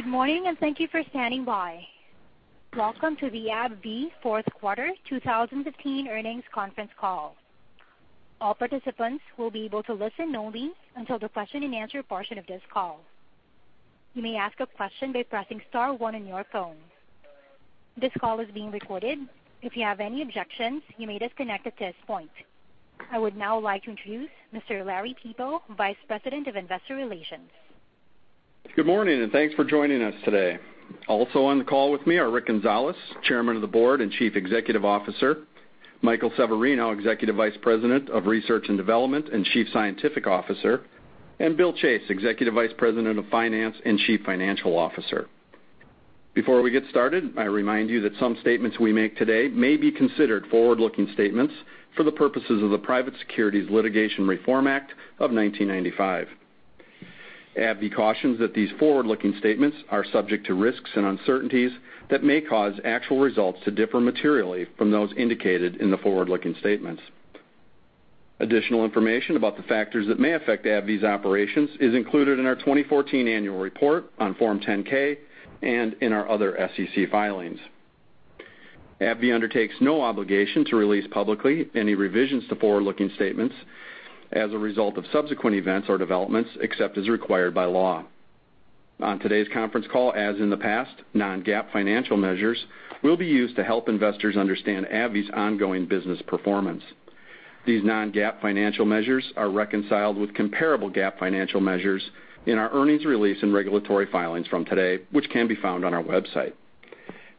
Good morning, and thank you for standing by. Welcome to the AbbVie Fourth Quarter 2015 Earnings Conference Call. All participants will be able to listen only until the question and answer portion of this call. You may ask a question by pressing star one on your phone. This call is being recorded. If you have any objections, you may disconnect at this point. I would now like to introduce Mr. Larry Peebles, Vice President of Investor Relations. Good morning, and thanks for joining us today. Also on the call with me are Rick Gonzalez, Chairman of the Board and Chief Executive Officer, Michael Severino, Executive Vice President of Research and Development, and Chief Scientific Officer, and Bill Chase, Executive Vice President of Finance and Chief Financial Officer. Before we get started, I remind you that some statements we make today may be considered forward-looking statements for the purposes of the Private Securities Litigation Reform Act of 1995. AbbVie cautions that these forward-looking statements are subject to risks and uncertainties that may cause actual results to differ materially from those indicated in the forward-looking statements. Additional information about the factors that may affect AbbVie's operations is included in our 2014 annual report on Form 10-K, and in our other SEC filings. AbbVie undertakes no obligation to release publicly any revisions to forward-looking statements as a result of subsequent events or developments, except as required by law. On today's conference call, as in the past, non-GAAP financial measures will be used to help investors understand AbbVie's ongoing business performance. These non-GAAP financial measures are reconciled with comparable GAAP financial measures in our earnings release and regulatory filings from today, which can be found on our website.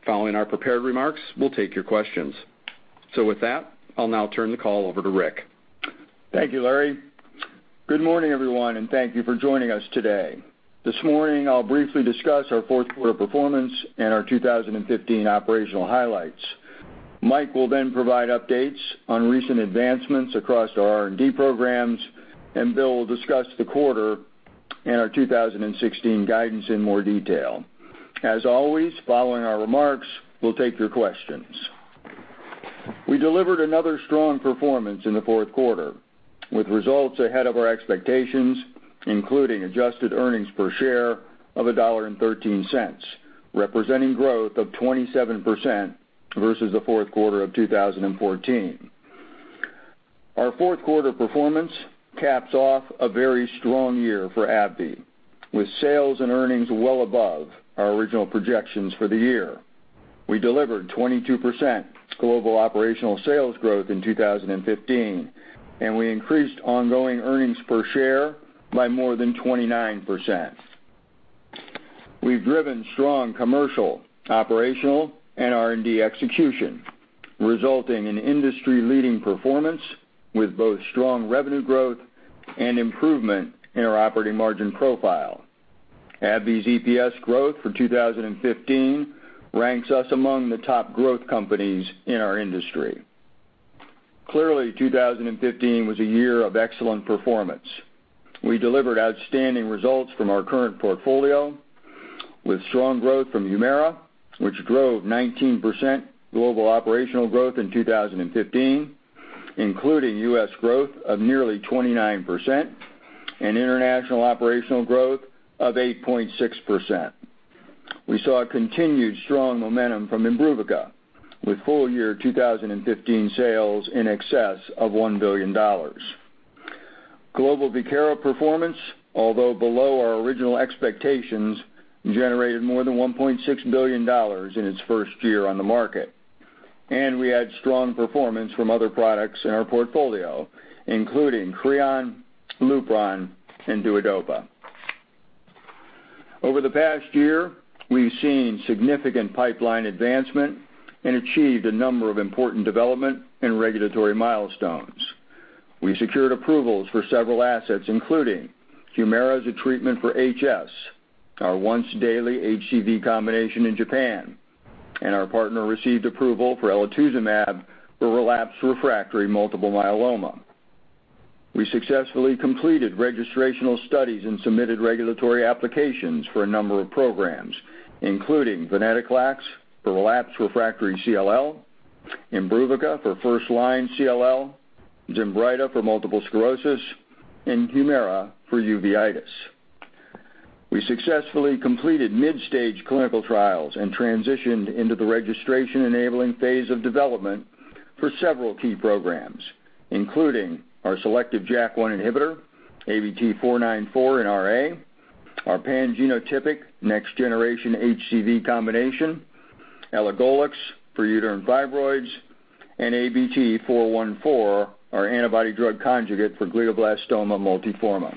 Following our prepared remarks, we'll take your questions. With that, I'll now turn the call over to Rick. Thank you, Larry. Good morning, everyone, and thank you for joining us today. This morning I'll briefly discuss our fourth quarter performance and our 2015 operational highlights. Mike will then provide updates on recent advancements across our R&D programs, and Bill will discuss the quarter and our 2016 guidance in more detail. As always, following our remarks, we'll take your questions. We delivered another strong performance in the fourth quarter, with results ahead of our expectations, including adjusted earnings per share of $1.13, representing growth of 27% versus the fourth quarter of 2014. Our fourth quarter performance caps off a very strong year for AbbVie, with sales and earnings well above our original projections for the year. We delivered 22% global operational sales growth in 2015, and we increased ongoing earnings per share by more than 29%. We've driven strong commercial, operational, and R&D execution, resulting in industry-leading performance with both strong revenue growth and improvement in our operating margin profile. AbbVie's EPS growth for 2015 ranks us among the top growth companies in our industry. Clearly, 2015 was a year of excellent performance. We delivered outstanding results from our current portfolio with strong growth from Humira, which drove 19% global operational growth in 2015, including U.S. growth of nearly 29% and international operational growth of 8.6%. We saw continued strong momentum from IMBRUVICA, with full year 2015 sales in excess of $1 billion. Global Viekira performance, although below our original expectations, generated more than $1.6 billion in its first year on the market. We had strong performance from other products in our portfolio, including CREON, LUPRON, and DUODOPA. Over the past year, we've seen significant pipeline advancement and achieved a number of important development and regulatory milestones. We secured approvals for several assets, including Humira as a treatment for HS, our once-daily HCV combination in Japan, and our partner received approval for elotuzumab for relapsed refractory multiple myeloma. We successfully completed registrational studies and submitted regulatory applications for a number of programs, including venetoclax for relapsed refractory CLL, IMBRUVICA for first-line CLL, ZINBRYTA for multiple sclerosis, and Humira for uveitis. We successfully completed mid-stage clinical trials and transitioned into the registration-enabling phase of development for several key programs, including our selective JAK1 inhibitor, ABT-494 in RA, our pan-genotypic next generation HCV combination, elagolix for uterine fibroids, and ABT-414, our antibody drug conjugate for glioblastoma multiforme.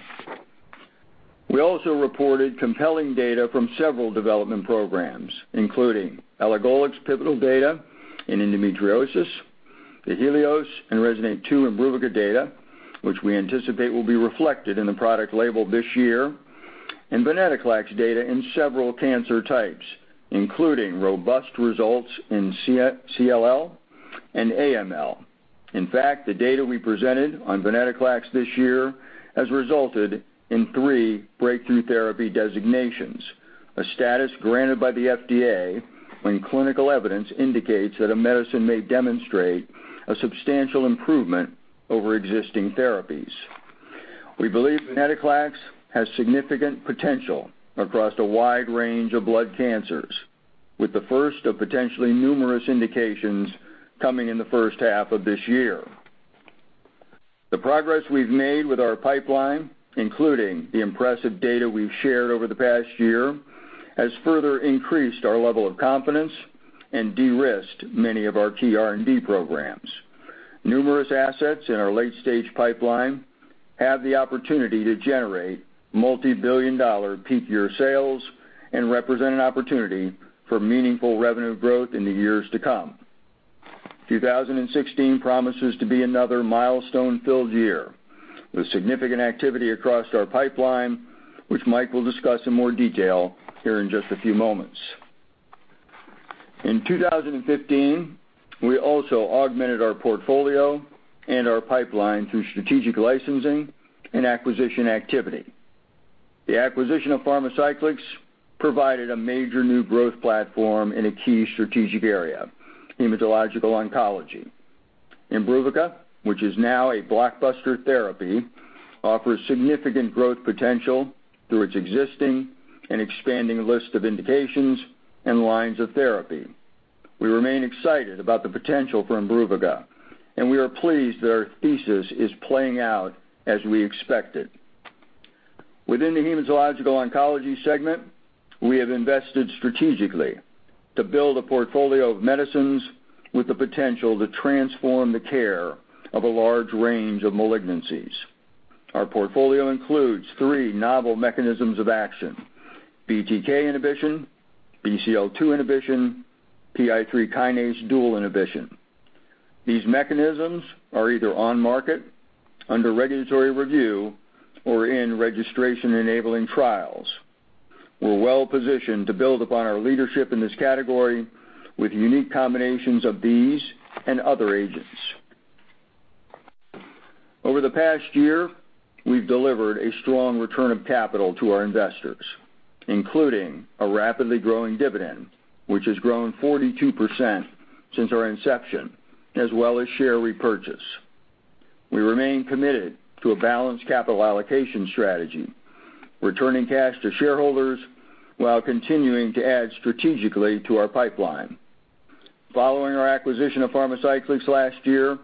We also reported compelling data from several development programs, including elagolix pivotal data in endometriosis, the HELIOS and RESONATE-2 IMBRUVICA data, which we anticipate will be reflected in the product label this year, and venetoclax data in several cancer types, including robust results in CLL and AML. In fact, the data we presented on venetoclax this year has resulted in three breakthrough therapy designations, a status granted by the FDA when clinical evidence indicates that a medicine may demonstrate a substantial improvement over existing therapies. We believe venetoclax has significant potential across a wide range of blood cancers, with the first of potentially numerous indications coming in the first half of this year. The progress we've made with our pipeline, including the impressive data we've shared over the past year, has further increased our level of confidence and de-risked many of our key R&D programs. Numerous assets in our late-stage pipeline have the opportunity to generate multibillion-dollar peak year sales and represent an opportunity for meaningful revenue growth in the years to come. 2016 promises to be another milestone-filled year with significant activity across our pipeline, which Mike will discuss in more detail here in just a few moments. In 2015, we also augmented our portfolio and our pipeline through strategic licensing and acquisition activity. The acquisition of Pharmacyclics provided a major new growth platform in a key strategic area, hematological oncology. IMBRUVICA, which is now a blockbuster therapy, offers significant growth potential through its existing and expanding list of indications and lines of therapy. We remain excited about the potential for IMBRUVICA, and we are pleased that our thesis is playing out as we expected. Within the hematological oncology segment, we have invested strategically to build a portfolio of medicines with the potential to transform the care of a large range of malignancies. Our portfolio includes three novel mechanisms of action, BTK inhibition, BCL-2 inhibition, PI3 kinase dual inhibition. These mechanisms are either on market, under regulatory review, or in registration-enabling trials. We're well-positioned to build upon our leadership in this category with unique combinations of these and other agents. Over the past year, we've delivered a strong return of capital to our investors, including a rapidly growing dividend, which has grown 42% since our inception, as well as share repurchase. We remain committed to a balanced capital allocation strategy, returning cash to shareholders while continuing to add strategically to our pipeline. Following our acquisition of Pharmacyclics last year,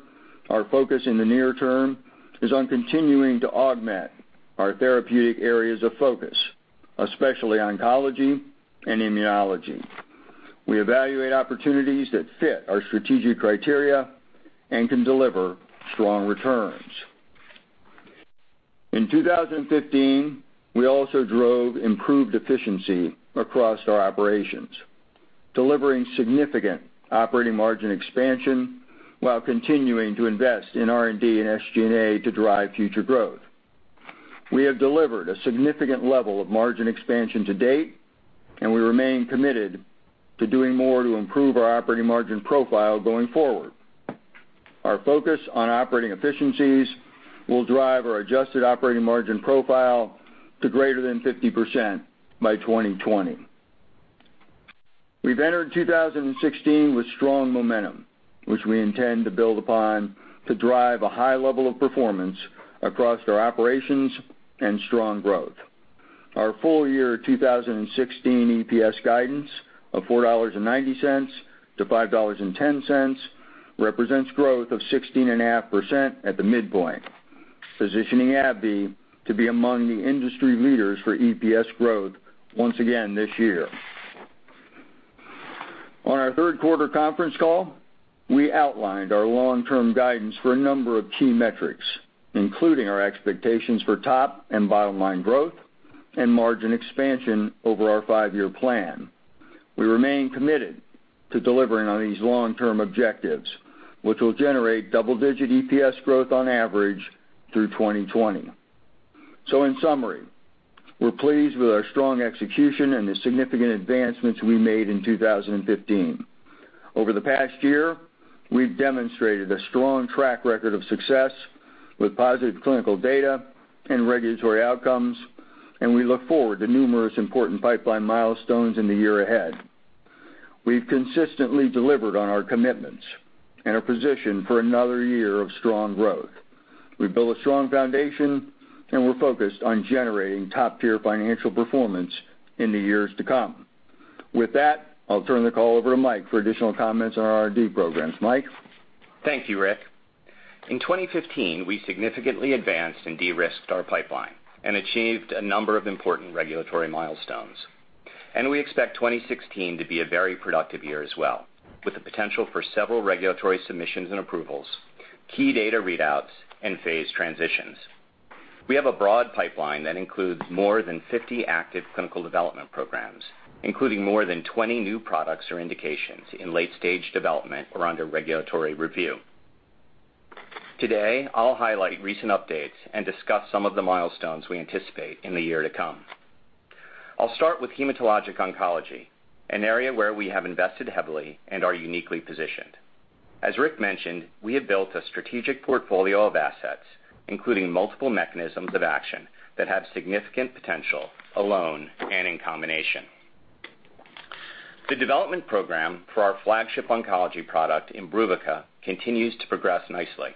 our focus in the near term is on continuing to augment our therapeutic areas of focus, especially oncology and immunology. We evaluate opportunities that fit our strategic criteria and can deliver strong returns. In 2015, we also drove improved efficiency across our operations, delivering significant operating margin expansion while continuing to invest in R&D and SG&A to drive future growth. We have delivered a significant level of margin expansion to date, and we remain committed to doing more to improve our operating margin profile going forward. Our focus on operating efficiencies will drive our adjusted operating margin profile to greater than 50% by 2020. We've entered 2016 with strong momentum, which we intend to build upon to drive a high level of performance across our operations and strong growth. Our full year 2016 EPS guidance of $4.90-$5.10 represents growth of 16.5% at the midpoint, positioning AbbVie to be among the industry leaders for EPS growth once again this year. On our third quarter conference call, we outlined our long-term guidance for a number of key metrics, including our expectations for top and bottom line growth and margin expansion over our five-year plan. We remain committed to delivering on these long-term objectives, which will generate double-digit EPS growth on average through 2020. In summary, we're pleased with our strong execution and the significant advancements we made in 2015. Over the past year, we've demonstrated a strong track record of success with positive clinical data and regulatory outcomes, and we look forward to numerous important pipeline milestones in the year ahead. We've consistently delivered on our commitments and are positioned for another year of strong growth. We've built a strong foundation, we're focused on generating top-tier financial performance in the years to come. With that, I'll turn the call over to Mike for additional comments on our R&D programs. Mike? Thank you, Rick. In 2015, we significantly advanced and de-risked our pipeline and achieved a number of important regulatory milestones. We expect 2016 to be a very productive year as well, with the potential for several regulatory submissions and approvals, key data readouts, and phase transitions. We have a broad pipeline that includes more than 50 active clinical development programs, including more than 20 new products or indications in late-stage development or under regulatory review. Today, I'll highlight recent updates and discuss some of the milestones we anticipate in the year to come. I'll start with hematologic oncology, an area where we have invested heavily and are uniquely positioned. As Rick mentioned, we have built a strategic portfolio of assets, including multiple mechanisms of action that have significant potential alone and in combination. The development program for our flagship oncology product, IMBRUVICA, continues to progress nicely.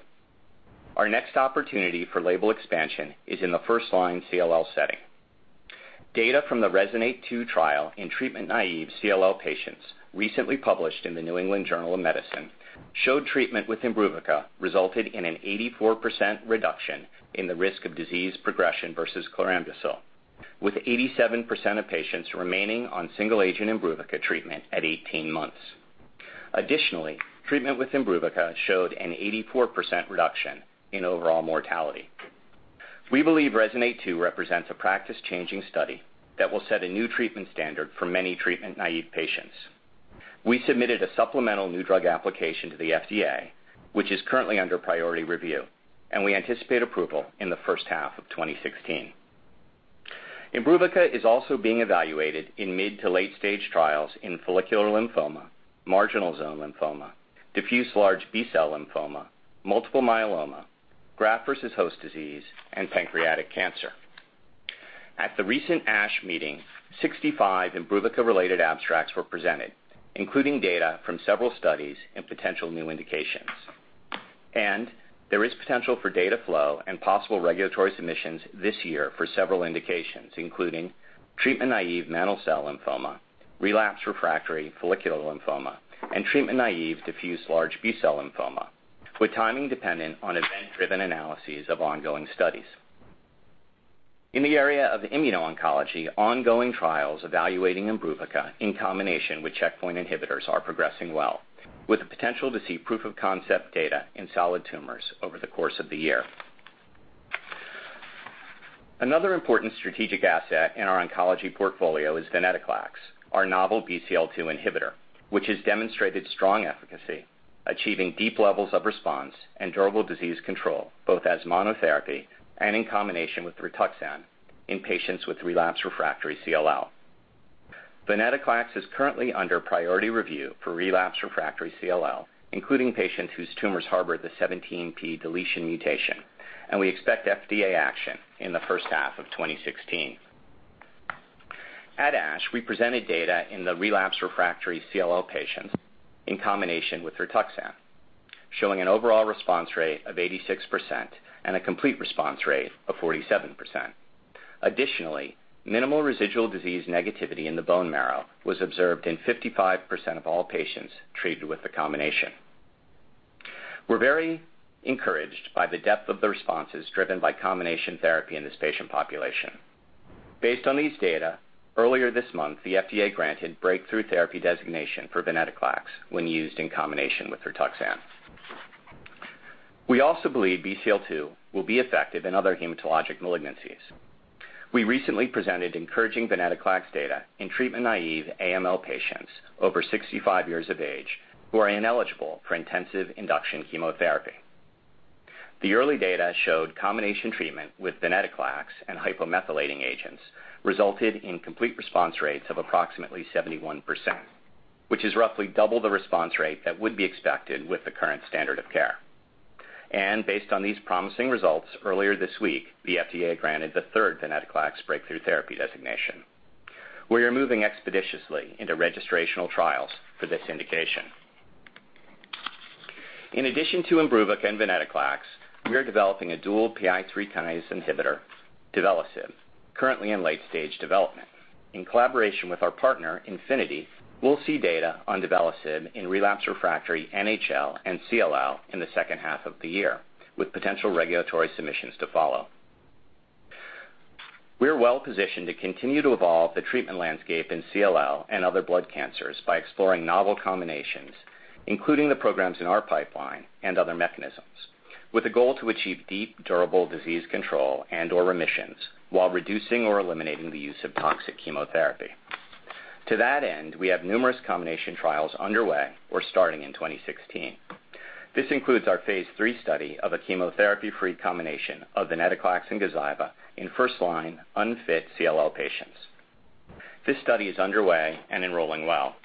Our next opportunity for label expansion is in the first-line CLL setting. Data from the RESONATE-2 trial in treatment-naïve CLL patients, recently published in The New England Journal of Medicine, showed treatment with IMBRUVICA resulted in an 84% reduction in the risk of disease progression versus chlorambucil, with 87% of patients remaining on single-agent IMBRUVICA treatment at 18 months. Additionally, treatment with IMBRUVICA showed an 84% reduction in overall mortality. We believe RESONATE-2 represents a practice-changing study that will set a new treatment standard for many treatment-naïve patients. We submitted a supplemental new drug application to the FDA, which is currently under priority review, and we anticipate approval in the first half of 2016. IMBRUVICA is also being evaluated in mid to late-stage trials in follicular lymphoma, marginal zone lymphoma, diffuse large B-cell lymphoma, multiple myeloma, graft versus host disease, and pancreatic cancer. At the recent ASH meeting, 65 IMBRUVICA-related abstracts were presented, including data from several studies and potential new indications. There is potential for data flow and possible regulatory submissions this year for several indications, including treatment-naïve mantle cell lymphoma, relapse/refractory follicular lymphoma, and treatment-naïve diffuse large B-cell lymphoma, with timing dependent on event-driven analyses of ongoing studies. In the area of immuno-oncology, ongoing trials evaluating IMBRUVICA in combination with checkpoint inhibitors are progressing well, with the potential to see proof of concept data in solid tumors over the course of the year. Another important strategic asset in our oncology portfolio is venetoclax, our novel BCL-2 inhibitor, which has demonstrated strong efficacy, achieving deep levels of response and durable disease control, both as monotherapy and in combination with RITUXAN in patients with relapse/refractory CLL. Venetoclax is currently under priority review for relapse/refractory CLL, including patients whose tumors harbor the 17p deletion mutation, and we expect FDA action in the first half of 2016. At ASH, we presented data in the relapse/refractory CLL patients in combination with RITUXAN, showing an overall response rate of 86% and a complete response rate of 47%. Additionally, minimal residual disease negativity in the bone marrow was observed in 55% of all patients treated with the combination. We're very encouraged by the depth of the responses driven by combination therapy in this patient population. Based on these data, earlier this month, the FDA granted breakthrough therapy designation for venetoclax when used in combination with RITUXAN. We also believe BCL-2 will be effective in other hematologic malignancies. We recently presented encouraging venetoclax data in treatment-naïve AML patients over 65 years of age who are ineligible for intensive induction chemotherapy. The early data showed combination treatment with venetoclax and hypomethylating agents resulted in complete response rates of approximately 71%, which is roughly double the response rate that would be expected with the current standard of care. Based on these promising results, earlier this week, the FDA granted the third venetoclax breakthrough therapy designation. We are moving expeditiously into registrational trials for this indication. In addition to IMBRUVICA and venetoclax, we are developing a dual PI3K inhibitor, duvelisib, currently in late-stage development. In collaboration with our partner, Infinity, we will see data on duvelisib in relapse/refractory NHL and CLL in the second half of the year, with potential regulatory submissions to follow. We are well-positioned to continue to evolve the treatment landscape in CLL and other blood cancers by exploring novel combinations, including the programs in our pipeline and other mechanisms, with a goal to achieve deep, durable disease control and/or remissions while reducing or eliminating the use of toxic chemotherapy. To that end, we have numerous combination trials underway or starting in 2016. This includes our phase III study of a chemotherapy-free combination of venetoclax and GAZYVA in first-line unfit CLL patients. This study is underway and enrolling well.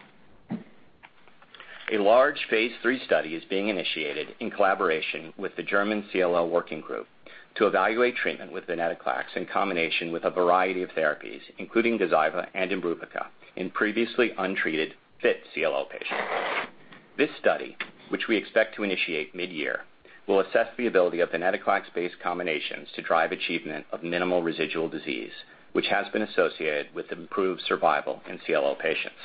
A large phase III study is being initiated in collaboration with the German CLL Study Group to evaluate treatment with venetoclax in combination with a variety of therapies, including GAZYVA and IMBRUVICA in previously untreated fit CLL patients. This study, which we expect to initiate mid-year, will assess the ability of venetoclax-based combinations to drive achievement of minimal residual disease, which has been associated with improved survival in CLL patients.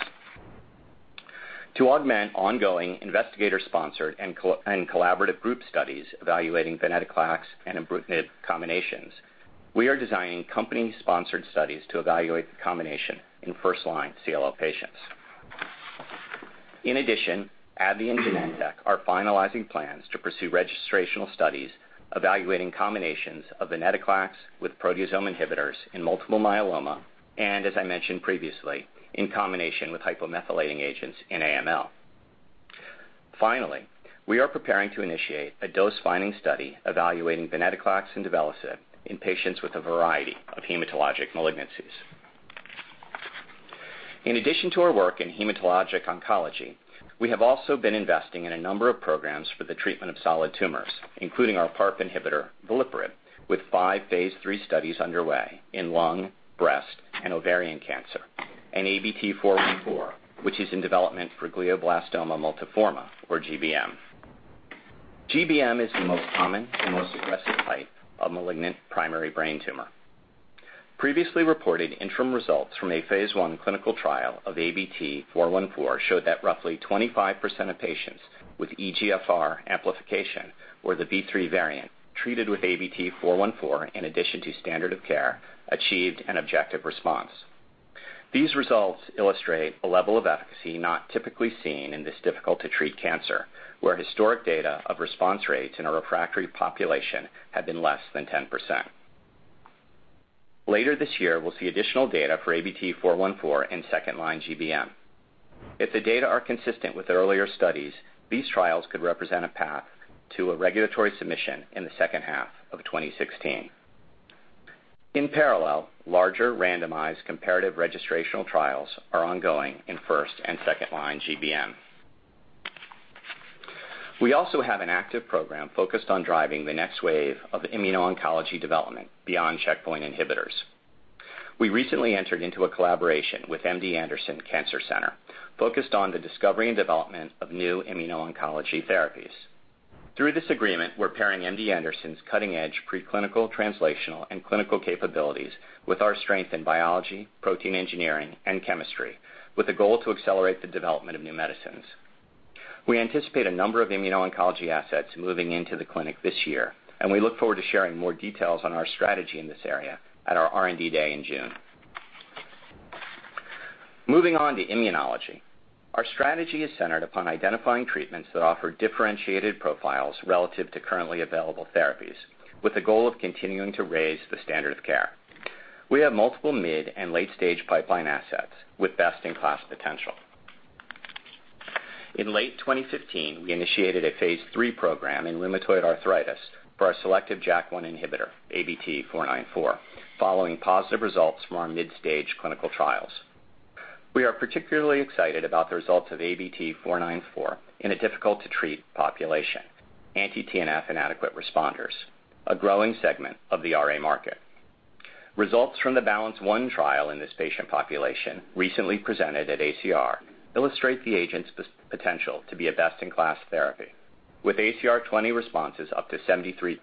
To augment ongoing investigator-sponsored and collaborative group studies evaluating venetoclax and ibrutinib combinations, we are designing company-sponsored studies to evaluate the combination in first-line CLL patients. In addition, AbbVie and Genentech are finalizing plans to pursue registrational studies evaluating combinations of venetoclax with proteasome inhibitors in multiple myeloma, and as I mentioned previously, in combination with hypomethylating agents in AML. Finally, we are preparing to initiate a dose-finding study evaluating venetoclax and duvelisib in patients with a variety of hematologic malignancies. In addition to our work in hematologic oncology, we have also been investing in a number of programs for the treatment of solid tumors, including our PARP inhibitor, veliparib, with five phase III studies underway in lung, breast, and ovarian cancer, and ABT-414, which is in development for glioblastoma multiforme or GBM. GBM is the most common and most aggressive type of malignant primary brain tumor. Previously reported interim results from a phase I clinical trial of ABT-414 showed that roughly 25% of patients with EGFR amplification or the EGFRvIII variant treated with ABT-414, in addition to standard of care, achieved an objective response. These results illustrate a level of efficacy not typically seen in this difficult-to-treat cancer, where historic data of response rates in a refractory population have been less than 10%. Later this year, we will see additional data for ABT-414 in second-line GBM. If the data are consistent with earlier studies, these trials could represent a path to a regulatory submission in the second half of 2016. In parallel, larger randomized comparative registrational trials are ongoing in first and second line GBM. We also have an active program focused on driving the next wave of immuno-oncology development beyond checkpoint inhibitors. We recently entered into a collaboration with MD Anderson Cancer Center focused on the discovery and development of new immuno-oncology therapies. Through this agreement, we're pairing MD Anderson's cutting edge preclinical, translational, and clinical capabilities with our strength in biology, protein engineering, and chemistry with a goal to accelerate the development of new medicines. We anticipate a number of immuno-oncology assets moving into the clinic this year. We look forward to sharing more details on our strategy in this area at our R&D Day in June. Moving on to immunology. Our strategy is centered upon identifying treatments that offer differentiated profiles relative to currently available therapies with the goal of continuing to raise the standard of care. We have multiple mid and late-stage pipeline assets with best-in-class potential. In late 2015, we initiated a phase III program in rheumatoid arthritis for our selective JAK1 inhibitor, ABT-494, following positive results from our mid-stage clinical trials. We are particularly excited about the results of ABT-494 in a difficult-to-treat population, anti-TNF inadequate responders, a growing segment of the RA market. Results from the BALANCE-1 trial in this patient population recently presented at ACR illustrate the agent's potential to be a best-in-class therapy, with ACR 20 responses up to 73%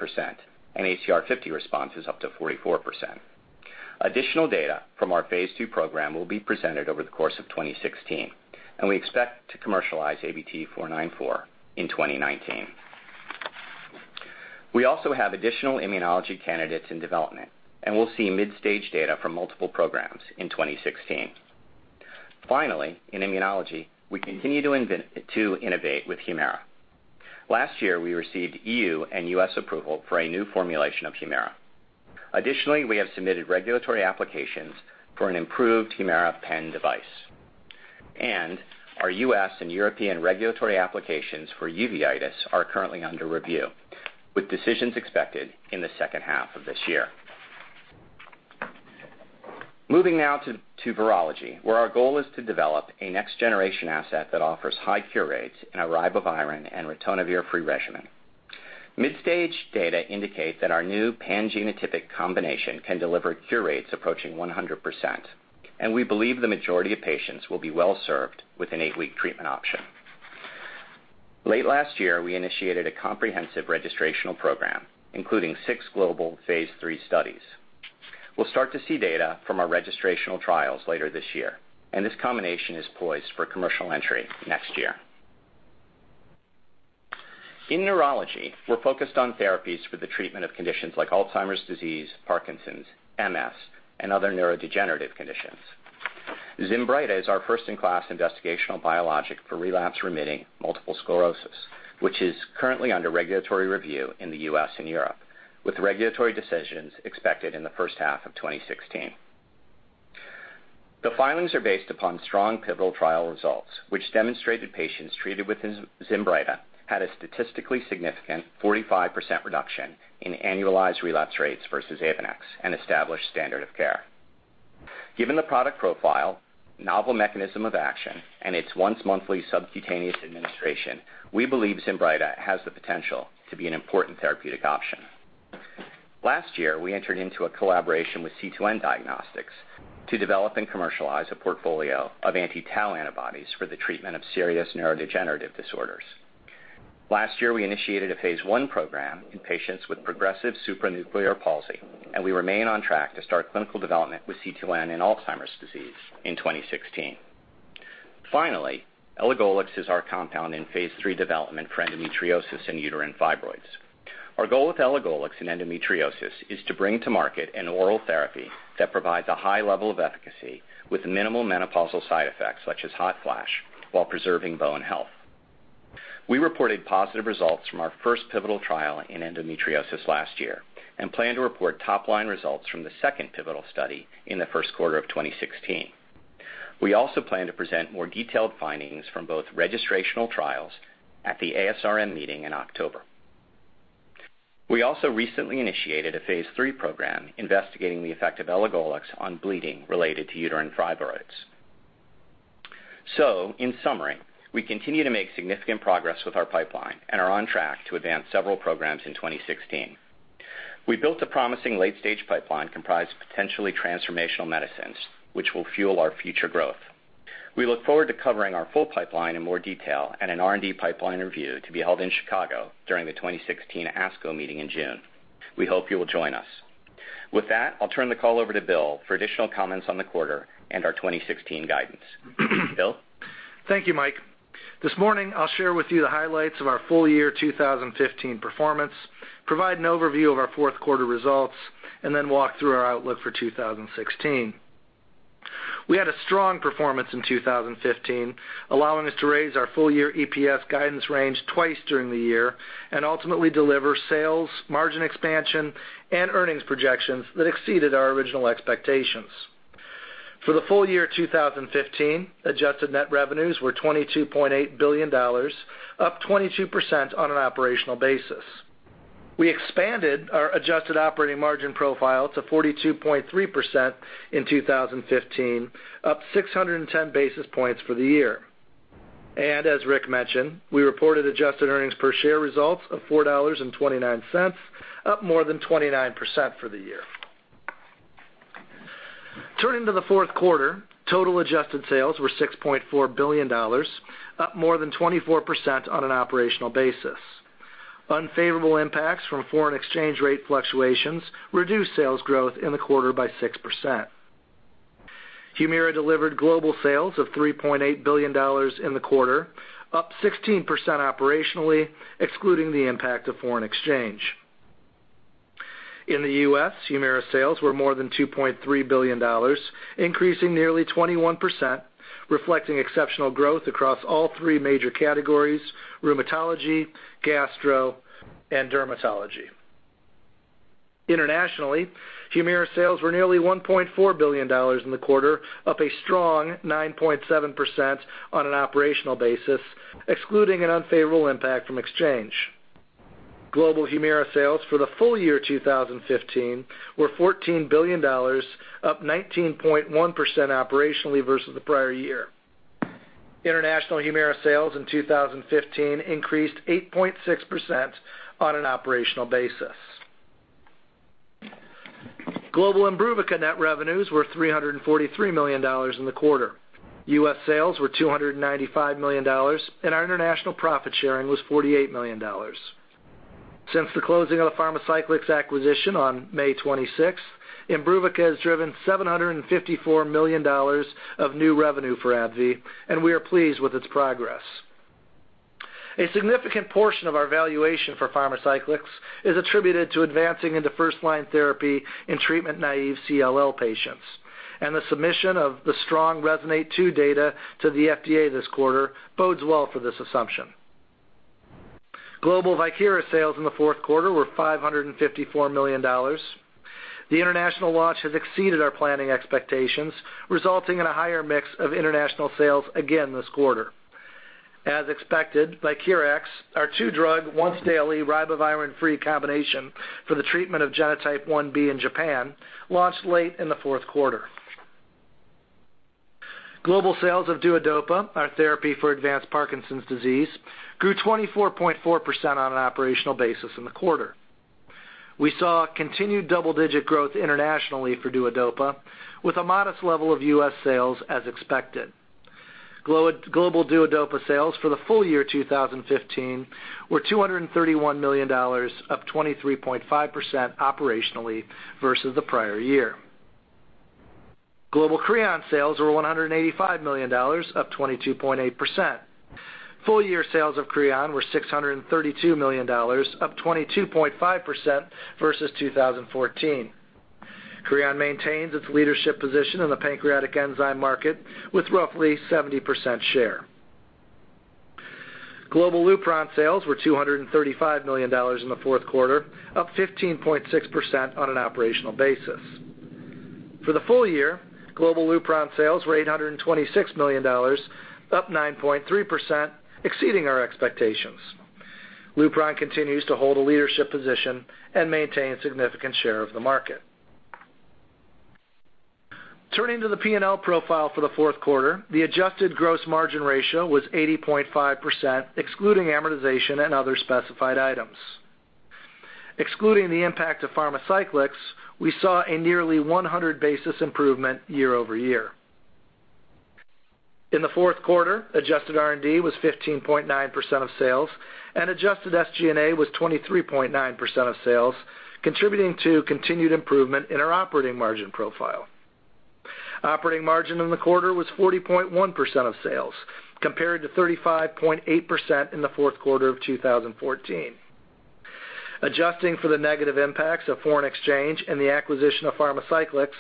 and ACR 50 responses up to 44%. Additional data from our phase II program will be presented over the course of 2016. We expect to commercialize ABT-494 in 2019. We also have additional immunology candidates in development. We'll see mid-stage data from multiple programs in 2016. Finally, in immunology, we continue to innovate with Humira. Last year, we received E.U. and U.S. approval for a new formulation of Humira. Additionally, we have submitted regulatory applications for an improved Humira pen device. Our U.S. and European regulatory applications for uveitis are currently under review, with decisions expected in the second half of this year. Moving now to virology, where our goal is to develop a next-generation asset that offers high cure rates in a ribavirin- and ritonavir-free regimen. Mid-stage data indicate that our new pan-genotypic combination can deliver cure rates approaching 100%. We believe the majority of patients will be well-served with an eight-week treatment option. Late last year, we initiated a comprehensive registrational program, including six global phase III studies. We'll start to see data from our registrational trials later this year. This combination is poised for commercial entry next year. In neurology, we're focused on therapies for the treatment of conditions like Alzheimer's disease, Parkinson's, MS, and other neurodegenerative conditions. ZINBRYTA is our first-in-class investigational biologic for relapse remitting multiple sclerosis, which is currently under regulatory review in the U.S. and Europe, with regulatory decisions expected in the first half of 2016. The filings are based upon strong pivotal trial results, which demonstrated patients treated with ZINBRYTA had a statistically significant 45% reduction in annualized relapse rates versus AVONEX and established standard of care. Given the product profile, novel mechanism of action, and its once-monthly subcutaneous administration, we believe ZINBRYTA has the potential to be an important therapeutic option. Last year, we entered into a collaboration with C2N Diagnostics to develop and commercialize a portfolio of anti-tau antibodies for the treatment of serious neurodegenerative disorders. Last year, we initiated a phase I program in patients with progressive supranuclear palsy, and we remain on track to start clinical development with C2N in Alzheimer's disease in 2016. Finally, elagolix is our compound in phase III development for endometriosis and uterine fibroids. Our goal with elagolix in endometriosis is to bring to market an oral therapy that provides a high level of efficacy with minimal menopausal side effects such as hot flash while preserving bone health. We reported positive results from our first pivotal trial in endometriosis last year and plan to report top-line results from the second pivotal study in the first quarter of 2016. We also plan to present more detailed findings from both registrational trials at the ASRM meeting in October. We also recently initiated a phase III program investigating the effect of elagolix on bleeding related to uterine fibroids. In summary, we continue to make significant progress with our pipeline and are on track to advance several programs in 2016. We built a promising late-stage pipeline comprised of potentially transformational medicines, which will fuel our future growth. We look forward to covering our full pipeline in more detail in an R&D pipeline review to be held in Chicago during the 2016 ASCO meeting in June. We hope you will join us. With that, I'll turn the call over to Bill for additional comments on the quarter and our 2016 guidance. Bill? Thank you, Mike. This morning, I'll share with you the highlights of our full year 2015 performance, provide an overview of our fourth quarter results, and then walk through our outlook for 2016. We had a strong performance in 2015, allowing us to raise our full-year EPS guidance range twice during the year and ultimately deliver sales, margin expansion, and earnings projections that exceeded our original expectations. For the full year 2015, adjusted net revenues were $22.8 billion, up 22% on an operational basis. We expanded our adjusted operating margin profile to 42.3% in 2015, up 610 basis points for the year. As Rick mentioned, we reported adjusted earnings per share results of $4.29, up more than 29% for the year. Turning to the fourth quarter, total adjusted sales were $6.4 billion, up more than 24% on an operational basis. Unfavorable impacts from foreign exchange rate fluctuations reduced sales growth in the quarter by 6%. Humira delivered global sales of $3.8 billion in the quarter, up 16% operationally, excluding the impact of foreign exchange. In the U.S., Humira sales were more than $2.3 billion, increasing nearly 21%, reflecting exceptional growth across all three major categories, rheumatology, gastro, and dermatology. Internationally, Humira sales were nearly $1.4 billion in the quarter, up a strong 9.7% on an operational basis, excluding an unfavorable impact from exchange. Global Humira sales for the full year 2015 were $14 billion, up 19.1% operationally versus the prior year. International Humira sales in 2015 increased 8.6% on an operational basis. Global IMBRUVICA net revenues were $343 million in the quarter. U.S. sales were $295 million, and our international profit sharing was $48 million. Since the closing of the Pharmacyclics acquisition on May 26, Imbruvica has driven $754 million of new revenue for AbbVie, and we are pleased with its progress. A significant portion of our valuation for Pharmacyclics is attributed to advancing into first-line therapy in treatment naive CLL patients, and the submission of the strong RESONATE-2 data to the FDA this quarter bodes well for this assumption. Global Viekira sales in the fourth quarter were $554 million. The international launch has exceeded our planning expectations, resulting in a higher mix of international sales again this quarter. As expected, VIEKIRAX, our two-drug, once-daily ribavirin-free combination for the treatment of genotype 1b in Japan, launched late in the fourth quarter. Global sales of DUODOPA, our therapy for advanced Parkinson's disease, grew 24.4% on an operational basis in the quarter. We saw continued double-digit growth internationally for DUODOPA with a modest level of US sales as expected. Global DUODOPA sales for the full year 2015 were $231 million, up 23.5% operationally versus the prior year. Global CREON sales were $185 million, up 22.8%. Full-year sales of CREON were $632 million, up 22.5% versus 2014. CREON maintains its leadership position in the pancreatic enzyme market with roughly 70% share. Global LUPRON sales were $235 million in the fourth quarter, up 15.6% on an operational basis. For the full year, global LUPRON sales were $826 million, up 9.3%, exceeding our expectations. LUPRON continues to hold a leadership position and maintain significant share of the market. Turning to the P&L profile for the fourth quarter, the adjusted gross margin ratio was 80.5%, excluding amortization and other specified items. Excluding the impact of Pharmacyclics, we saw a nearly 100 basis improvement year-over-year. In the fourth quarter, adjusted R&D was 15.9% of sales, and adjusted SG&A was 23.9% of sales, contributing to continued improvement in our operating margin profile. Operating margin in the quarter was 40.1% of sales, compared to 35.8% in the fourth quarter of 2014. Adjusting for the negative impacts of foreign exchange and the acquisition of Pharmacyclics,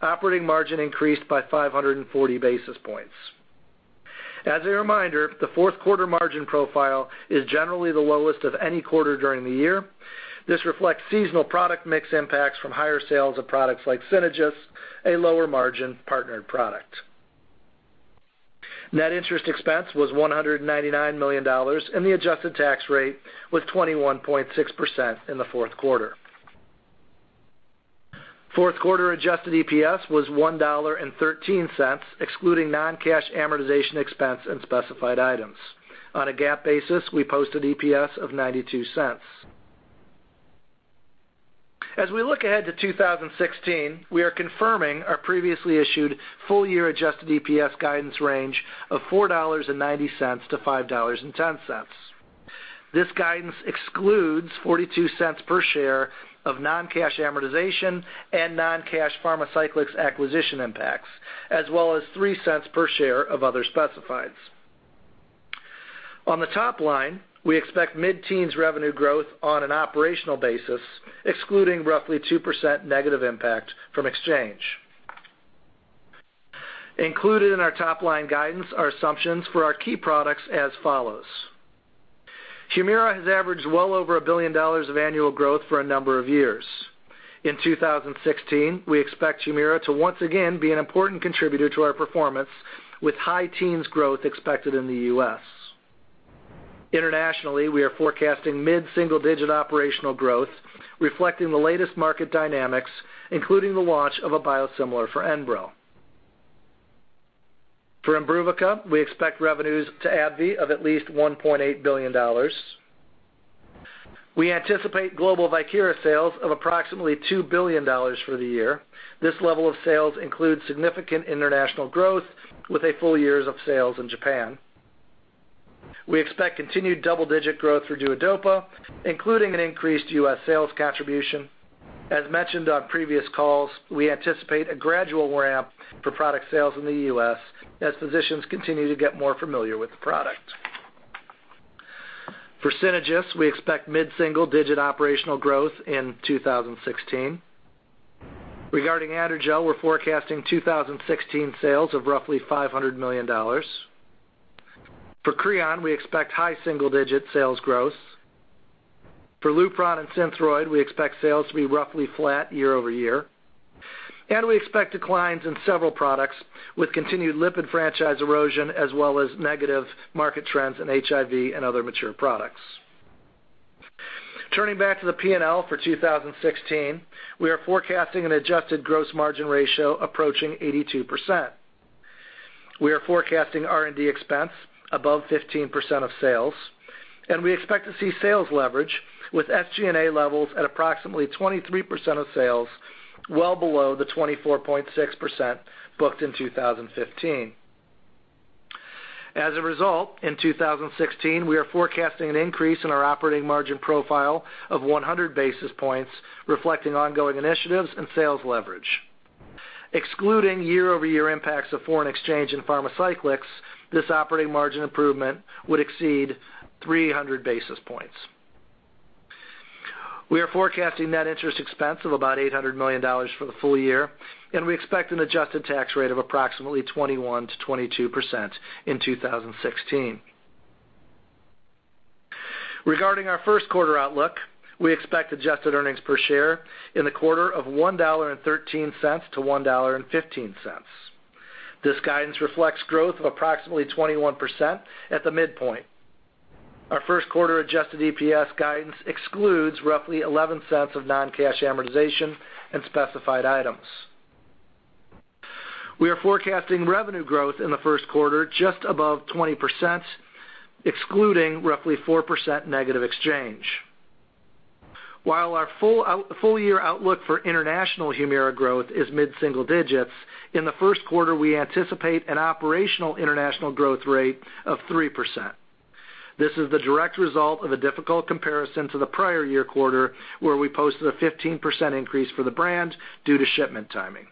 operating margin increased by 540 basis points. As a reminder, the fourth quarter margin profile is generally the lowest of any quarter during the year. This reflects seasonal product mix impacts from higher sales of products like Synagis, a lower margin partnered product. Net interest expense was $199 million, and the adjusted tax rate was 21.6% in the fourth quarter. Fourth quarter adjusted EPS was $1.13, excluding non-cash amortization expense and specified items. On a GAAP basis, we posted EPS of $0.92. As we look ahead to 2016, we are confirming our previously issued full-year adjusted EPS guidance range of $4.90-$5.10. This guidance excludes $0.42 per share of non-cash amortization and non-cash Pharmacyclics acquisition impacts, as well as $0.03 per share of other specifieds. On the top line, we expect mid-teens revenue growth on an operational basis, excluding roughly 2% negative impact from exchange. Included in our top-line guidance are assumptions for our key products as follows. Humira has averaged well over $1 billion of annual growth for a number of years. In 2016, we expect Humira to once again be an important contributor to our performance with high teens growth expected in the US. Internationally, we are forecasting mid-single-digit operational growth reflecting the latest market dynamics, including the launch of a biosimilar for ENBREL. For Imbruvica, we expect revenues to AbbVie of at least $1.8 billion. We anticipate global Viekira sales of approximately $2 billion for the year. This level of sales includes significant international growth with a full year of sales in Japan. We expect continued double-digit growth for DUODOPA, including an increased U.S. sales contribution. As mentioned on previous calls, we anticipate a gradual ramp for product sales in the U.S. as physicians continue to get more familiar with the product. For Synagis, we expect mid-single-digit operational growth in 2016. Regarding Adrucil, we're forecasting 2016 sales of roughly $500 million. For CREON, we expect high single-digit sales growth. For LUPRON and SYNTHROID, we expect sales to be roughly flat year-over-year. We expect declines in several products with continued lipid franchise erosion, as well as negative market trends in HIV and other mature products. Turning back to the P&L for 2016, we are forecasting an adjusted gross margin ratio approaching 82%. We are forecasting R&D expense above 15% of sales, and we expect to see sales leverage with SG&A levels at approximately 23% of sales, well below the 24.6% booked in 2015. As a result, in 2016, we are forecasting an increase in our operating margin profile of 100 basis points, reflecting ongoing initiatives and sales leverage. Excluding year-over-year impacts of foreign exchange and Pharmacyclics, this operating margin improvement would exceed 300 basis points. We are forecasting net interest expense of about $800 million for the full year, and we expect an adjusted tax rate of approximately 21%-22% in 2016. Regarding our first quarter outlook, we expect adjusted earnings per share in the quarter of $1.13-$1.15. This guidance reflects growth of approximately 21% at the midpoint. Our first quarter adjusted EPS guidance excludes roughly $0.11 of non-cash amortization and specified items. We are forecasting revenue growth in the first quarter just above 20%, excluding roughly 4% negative exchange. While our full year outlook for international Humira growth is mid-single digits, in the first quarter, we anticipate an operational international growth rate of 3%. This is the direct result of a difficult comparison to the prior year quarter, where we posted a 15% increase for the brand due to shipment timing.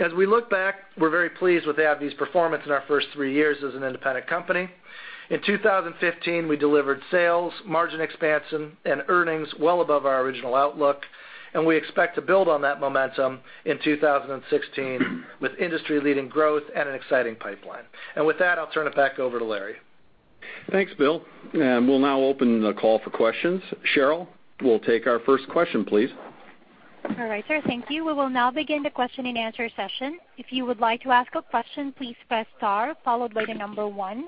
As we look back, we're very pleased with AbbVie's performance in our first three years as an independent company. In 2015, we delivered sales, margin expansion, and earnings well above our original outlook, and we expect to build on that momentum in 2016 with industry-leading growth and an exciting pipeline. With that, I'll turn it back over to Larry. Thanks, Bill. We'll now open the call for questions. Cheryl, we'll take our first question, please. All right, sir. Thank you. We will now begin the question and answer session. If you would like to ask a question, please press star followed by 1.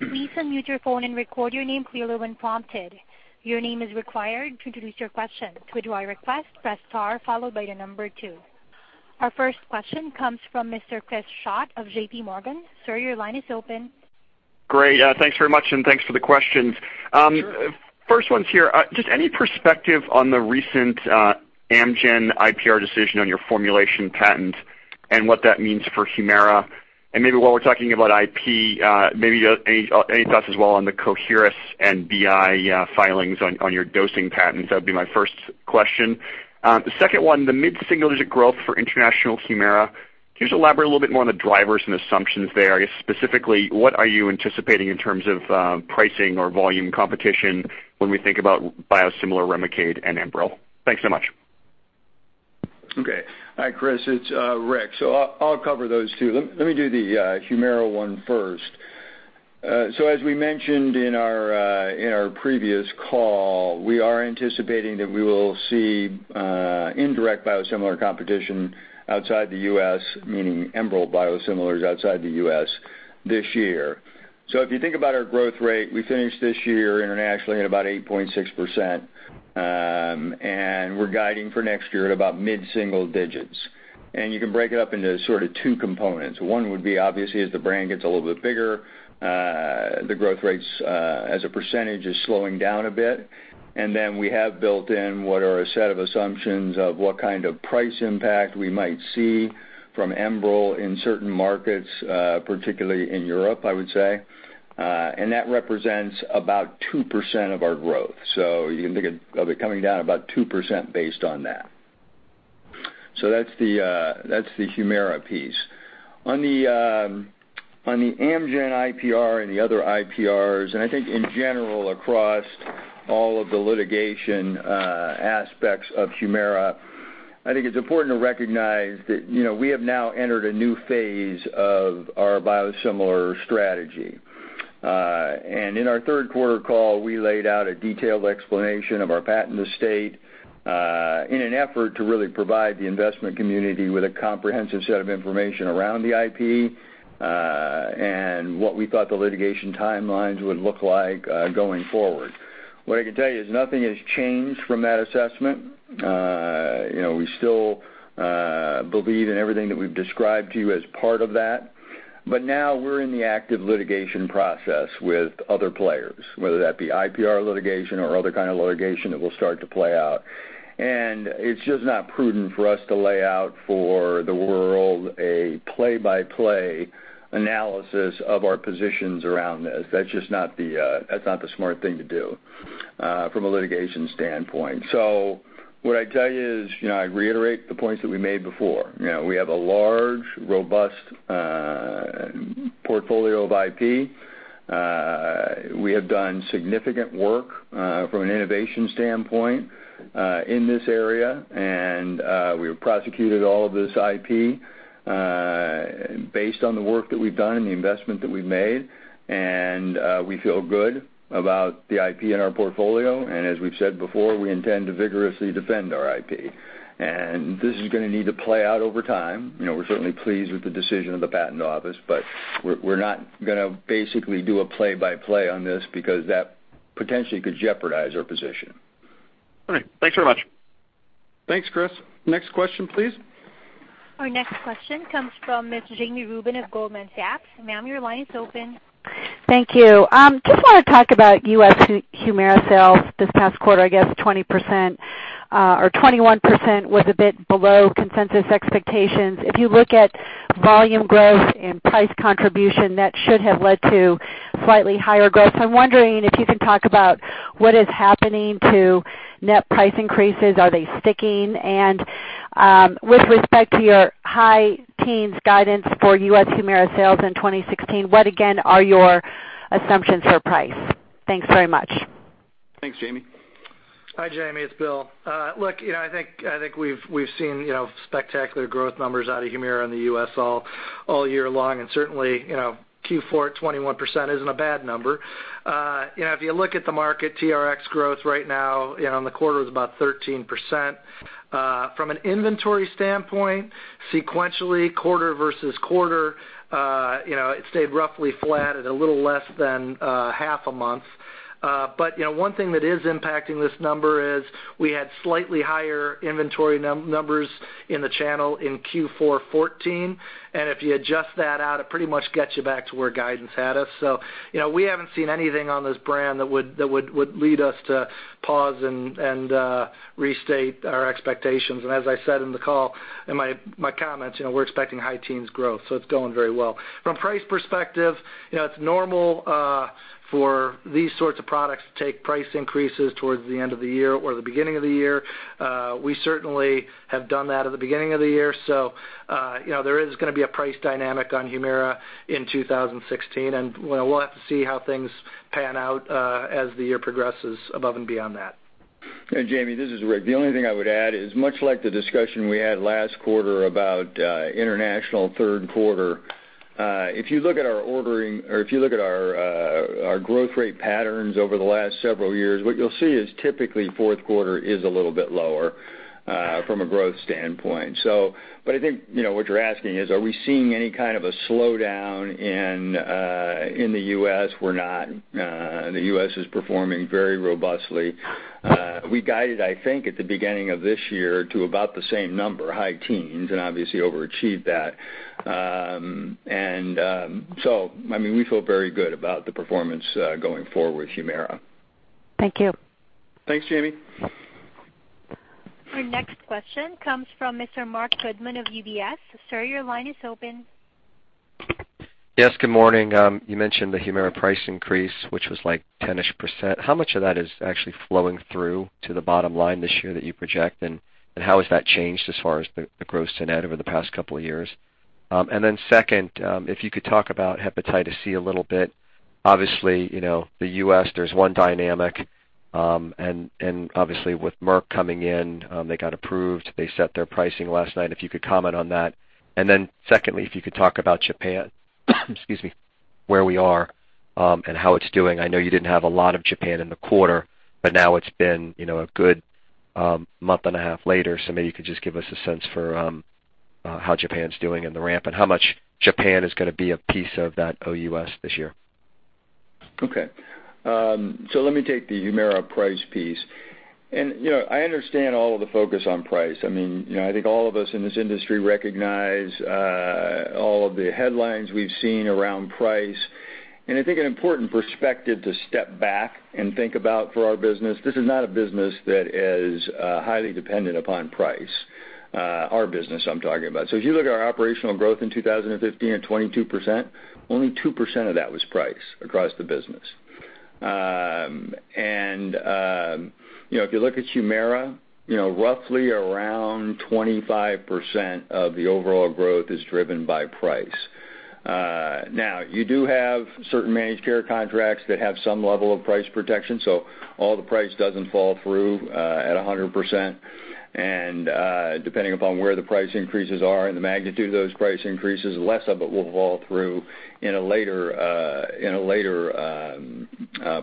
Please unmute your phone and record your name clearly when prompted. Your name is required to introduce your question. To withdraw your request, press star followed by 2. Our first question comes from Mr. Chris Schott of JPMorgan. Sir, your line is open. Great. Thanks very much, and thanks for the questions. Sure. First one's here. Just any perspective on the recent Amgen IPR decision on your formulation patent and what that means for Humira? Maybe while we're talking about IP, maybe any thoughts as well on the Coherus and BI filings on your dosing patents? That would be my first question. The second one, the mid-single-digit growth for international Humira, can you just elaborate a little bit more on the drivers and assumptions there? Specifically, what are you anticipating in terms of pricing or volume competition when we think about biosimilar REMICADE and ENBREL? Thanks so much. Okay. Hi, Chris. It's Rick. I'll cover those 2. Let me do the Humira one first. As we mentioned in our previous call, we are anticipating that we will see indirect biosimilar competition outside the U.S., meaning ENBREL biosimilars outside the U.S., this year. If you think about our growth rate, we finished this year internationally at about 8.6%, and we're guiding for next year at about mid-single digits. You can break it up into sort of 2 components. One would be, obviously, as the brand gets a little bit bigger, the growth rates as a percentage is slowing down a bit. We have built in what are a set of assumptions of what kind of price impact we might see from ENBREL in certain markets, particularly in Europe, I would say. That represents about 2% of our growth. You can think of it coming down about 2% based on that. That's the Humira piece. The Amgen IPR and the other IPRs, in general across all of the litigation aspects of Humira, it's important to recognize that we have now entered a new phase of our biosimilar strategy. In our third quarter call, we laid out a detailed explanation of our patent estate, in an effort to really provide the investment community with a comprehensive set of information around the IP, and what we thought the litigation timelines would look like going forward. What I can tell you is nothing has changed from that assessment. We still believe in everything that we've described to you as part of that. Now we're in the active litigation process with other players, whether that be IPR litigation or other kind of litigation that will start to play out. It's just not prudent for us to lay out for the world a play-by-play analysis of our positions around this. That's not the smart thing to do from a litigation standpoint. What I'd tell you is, I reiterate the points that we made before. We have a large, robust portfolio of IP. We have done significant work from an innovation standpoint in this area, and we've prosecuted all of this IP based on the work that we've done and the investment that we've made, and we feel good about the IP in our portfolio. As we've said before, we intend to vigorously defend our IP. This is going to need to play out over time. We're certainly pleased with the decision of the patent office, we're not going to basically do a play-by-play on this because that potentially could jeopardize our position. Thanks very much. Thanks, Chris. Next question, please. Our next question comes from Ms. Jami Rubin of Goldman Sachs. Ma'am, your line is open. Thank you. I just want to talk about U.S. Humira sales this past quarter. I guess 20% or 21% was a bit below consensus expectations. If you look at volume growth and price contribution, that should have led to slightly higher growth. I'm wondering if you can talk about what is happening to net price increases. Are they sticking? With respect to your high teens guidance for U.S. Humira sales in 2016, what again are your assumptions for price? Thanks very much. Thanks, Jami. Hi, Jami. It's Bill. Look, I think we've seen spectacular growth numbers out of Humira in the U.S. all year long. Certainly, Q4 at 21% isn't a bad number. If you look at the market, TRX growth right now on the quarter was about 13%. From an inventory standpoint, sequentially quarter versus quarter, it stayed roughly flat at a little less than half a month. One thing that is impacting this number is we had slightly higher inventory numbers in the channel in Q4 2014. If you adjust that out, it pretty much gets you back to where guidance had us. We haven't seen anything on this brand that would lead us to pause and restate our expectations. As I said in the call, in my comments, we're expecting high teens growth, so it's going very well. From a price perspective, it's normal for these sorts of products to take price increases towards the end of the year or the beginning of the year. We certainly have done that at the beginning of the year. There is going to be a price dynamic on Humira in 2016, and we'll have to see how things pan out as the year progresses above and beyond that. Jami, this is Rick. The only thing I would add is much like the discussion we had last quarter about international third quarter. If you look at our growth rate patterns over the last several years, what you'll see is typically fourth quarter is a little bit lower from a growth standpoint. I think what you're asking is, are we seeing any kind of a slowdown in the U.S.? We're not. The U.S. is performing very robustly. We guided, I think, at the beginning of this year to about the same number, high teens, and obviously overachieved that. We feel very good about the performance going forward with Humira. Thank you. Thanks, Jami. Our next question comes from Mr. Marc Goodman of UBS. Sir, your line is open. Yes, good morning. You mentioned the Humira price increase, which was like 10-ish%. How much of that is actually flowing through to the bottom line this year that you project, and how has that changed as far as the gross to net over the past couple of years? Second, if you could talk about hepatitis C a little bit. Obviously, the U.S., there's one dynamic, and obviously with Merck coming in, they got approved, they set their pricing last night. If you could comment on that. Secondly, if you could talk about Japan. Excuse me, where we are and how it's doing. I know you didn't have a lot of Japan in the quarter, but now it's been a good month and a half later, so maybe you could just give us a sense for how Japan's doing in the ramp and how much Japan is going to be a piece of that OUS this year. Okay. Let me take the Humira price piece. I understand all of the focus on price. I think all of us in this industry recognize all of the headlines we've seen around price. I think an important perspective to step back and think about for our business, this is not a business that is highly dependent upon price. Our business, I'm talking about. If you look at our operational growth in 2015 at 22%, only 2% of that was price across the business. If you look at Humira, roughly around 25% of the overall growth is driven by price. Now, you do have certain managed care contracts that have some level of price protection, so all the price doesn't fall through at 100%. Depending upon where the price increases are and the magnitude of those price increases, less of it will fall through in a later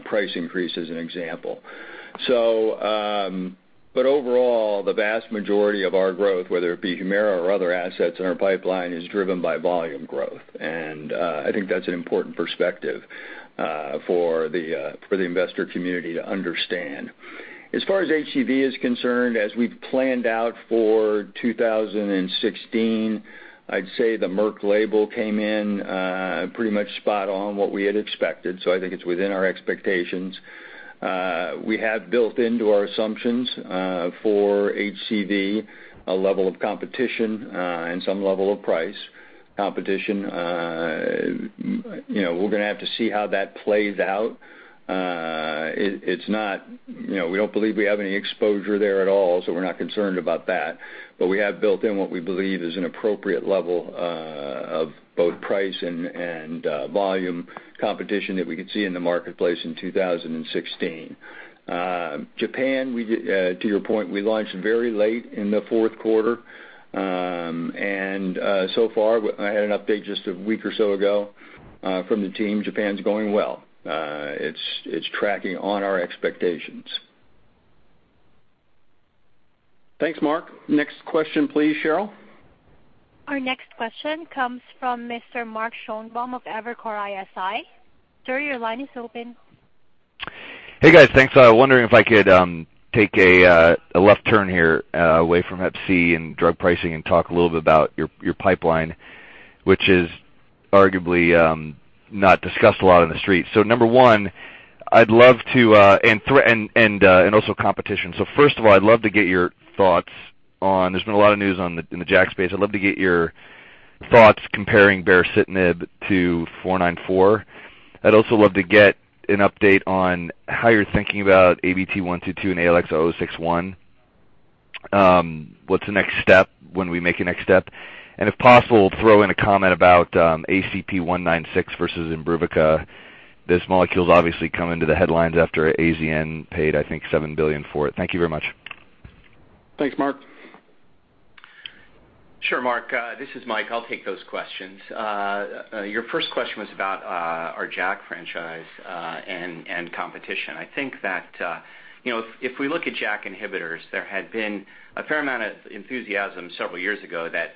price increase, as an example. Overall, the vast majority of our growth, whether it be Humira or other assets in our pipeline, is driven by volume growth. I think that's an important perspective for the investor community to understand. As far as HCV is concerned, as we've planned out for 2016, I'd say the Merck label came in pretty much spot on what we had expected. I think it's within our expectations. We have built into our assumptions for HCV, a level of competition and some level of price competition. We're going to have to see how that plays out. We don't believe we have any exposure there at all, so we're not concerned about that. We have built in what we believe is an appropriate level of both price and volume competition that we could see in the marketplace in 2016. Japan, to your point, we launched very late in the fourth quarter. So far, I had an update just a week or so ago from the team. Japan's going well. It's tracking on our expectations. Thanks, Mark. Next question, please, Cheryl. Our next question comes from Mr. Mark Schoenebaum of Evercore ISI. Sir, your line is open. Hey, guys. Thanks. I was wondering if I could take a left turn here away from Hep C and drug pricing and talk a little bit about your pipeline, which is arguably not discussed a lot on the street. Number one, and also competition. First of all, I'd love to get your thoughts on, there's been a lot of news in the JAK space. I'd love to get your thoughts comparing baricitinib to 494. I'd also love to get an update on how you're thinking about ABT-122 and ALX-0061. What's the next step, when we make a next step? If possible, throw in a comment about ACP-196 versus IMBRUVICA. This molecule's obviously come into the headlines after AstraZeneca paid, I think $7 billion for it. Thank you very much. Thanks, Mark. Sure, Mark. This is Mike. I'll take those questions. Your first question was about our JAK franchise and competition. I think that if we look at JAK inhibitors, there had been a fair amount of enthusiasm several years ago that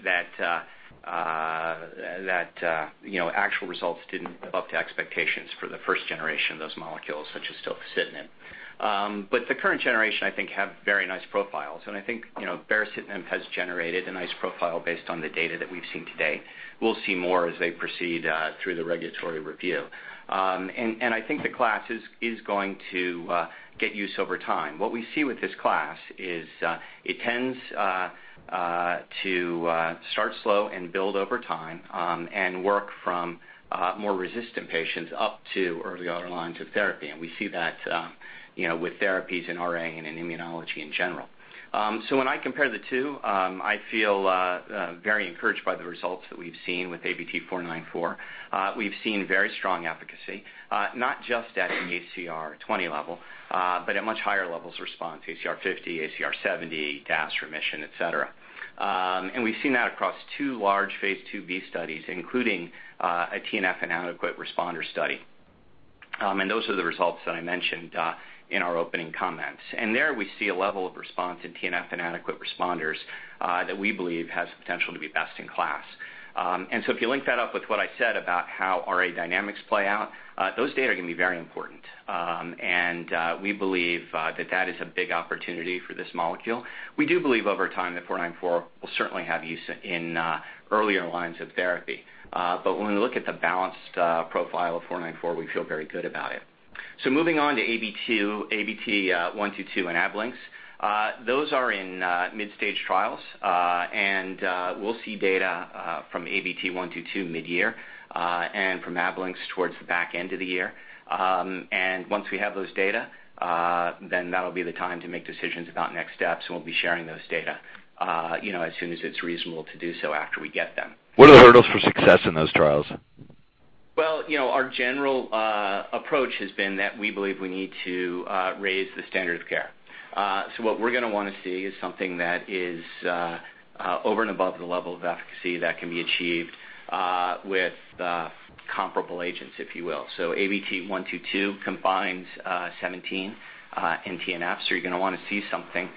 actual results didn't live up to expectations for the first generation of those molecules, such as tofacitinib. The current generation, I think, have very nice profiles. I think baricitinib has generated a nice profile based on the data that we've seen today. We'll see more as they proceed through the regulatory review. I think the class is going to get use over time. What we see with this class is it tends to start slow and build over time and work from more resistant patients up to earlier lines of therapy. We see that with therapies in RA and in immunology in general. When I compare the two, I feel very encouraged by the results that we've seen with ABT-494. We've seen very strong efficacy, not just at an ACR20 level, but at much higher levels response, ACR50, ACR70, DAS remission, et cetera. We've seen that across two large phase II-B studies, including a TNF-inadequate responder study. Those are the results that I mentioned in our opening comments. There we see a level of response in TNF-inadequate responders that we believe has the potential to be best in class. If you link that up with what I said about how RA dynamics play out, those data are going to be very important. We believe that that is a big opportunity for this molecule. We do believe over time that 494 will certainly have use in earlier lines of therapy. When we look at the balanced profile of 494, we feel very good about it. Moving on to ABT-122 and Ablynx. Those are in mid-stage trials, and we'll see data from ABT-122 mid-year and from Ablynx towards the back end of the year. Once we have those data, then that'll be the time to make decisions about next steps, and we'll be sharing those data as soon as it's reasonable to do so after we get them. What are the hurdles for success in those trials? Well, our general approach has been that we believe we need to raise the standard of care. What we're going to want to see is something that is over and above the level of efficacy that can be achieved with comparable agents, if you will. ABT-122 combines 17 and TNF. You're going to want to see something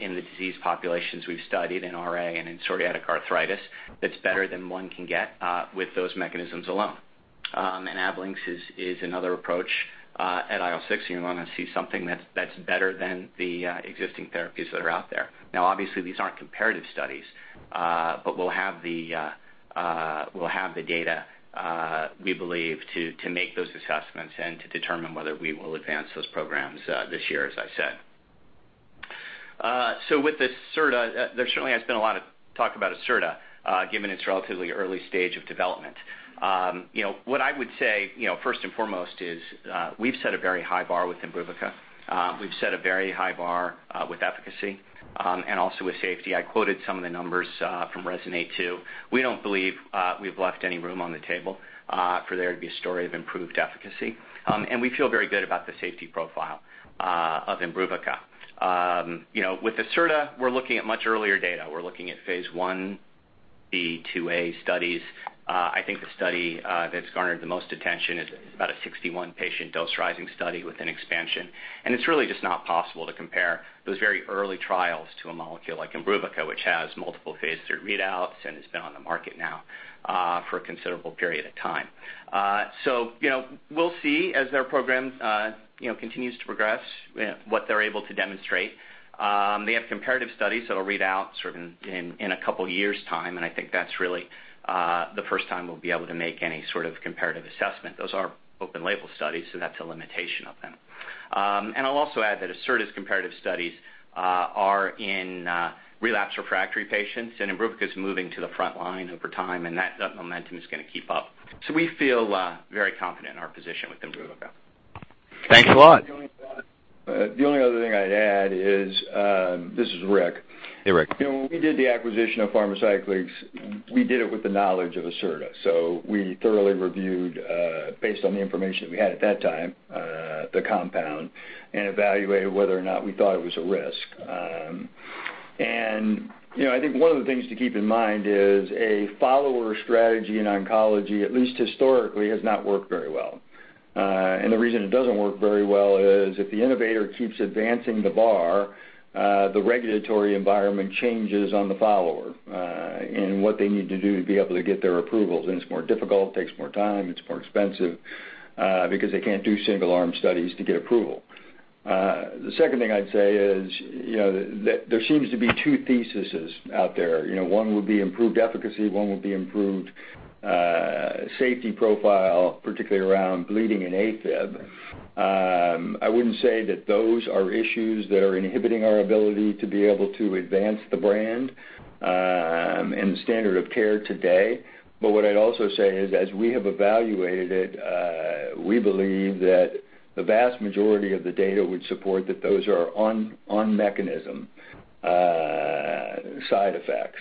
in the disease populations we've studied in RA and in psoriatic arthritis that's better than one can get with those mechanisms alone. Ablynx is another approach at IL-6. You're going to want to see something that's better than the existing therapies that are out there. Now, obviously, these aren't comparative studies, but we'll have the data, we believe, to make those assessments and to determine whether we will advance those programs this year, as I said. With this acalabrutinib, there certainly has been a lot of talk about acalabrutinib, given its relatively early stage of development. What I would say, first and foremost, is we've set a very high bar with IMBRUVICA. We've set a very high bar with efficacy, and also with safety. I quoted some of the numbers from RESONATE-2. We don't believe we've left any room on the table for there to be a story of improved efficacy, and we feel very good about the safety profile of IMBRUVICA. With acalabrutinib, we're looking at much earlier data. We're looking at phase I-B/II-A studies. I think the study that's garnered the most attention is about a 61-patient dose-rising study with an expansion. It's really just not possible to compare those very early trials to a molecule like IMBRUVICA, which has multiple phase III readouts and has been on the market now for a considerable period of time. We'll see as their program continues to progress, what they're able to demonstrate. They have comparative studies that'll read out sort of in a couple of years' time, and I think that's really the first time we'll be able to make any sort of comparative assessment. Those are open label studies, so that's a limitation of them. I'll also add that acalabrutinib's comparative studies are in relapse refractory patients, and IMBRUVICA is moving to the front line over time, and that momentum is going to keep up. We feel very confident in our position with IMBRUVICA. Thanks a lot. The only other thing I'd add. This is Rick. Hey, Rick. When we did the acquisition of Pharmacyclics, we did it with the knowledge of acalabrutinib. We thoroughly reviewed, based on the information that we had at that time, the compound, and evaluated whether or not we thought it was a risk. I think one of the things to keep in mind is a follower strategy in oncology, at least historically, has not worked very well. The reason it doesn't work very well is if the innovator keeps advancing the bar, the regulatory environment changes on the follower, and what they need to do to be able to get their approvals, and it's more difficult, takes more time, it's more expensive, because they can't do single-arm studies to get approval. The second thing I'd say is that there seems to be two theses out there. One would be improved efficacy, one would be improved safety profile, particularly around bleeding and AFib. I wouldn't say that those are issues that are inhibiting our ability to be able to advance the brand and the standard of care today. What I'd also say is, as we have evaluated it, we believe that the vast majority of the data would support that those are on mechanism side effects.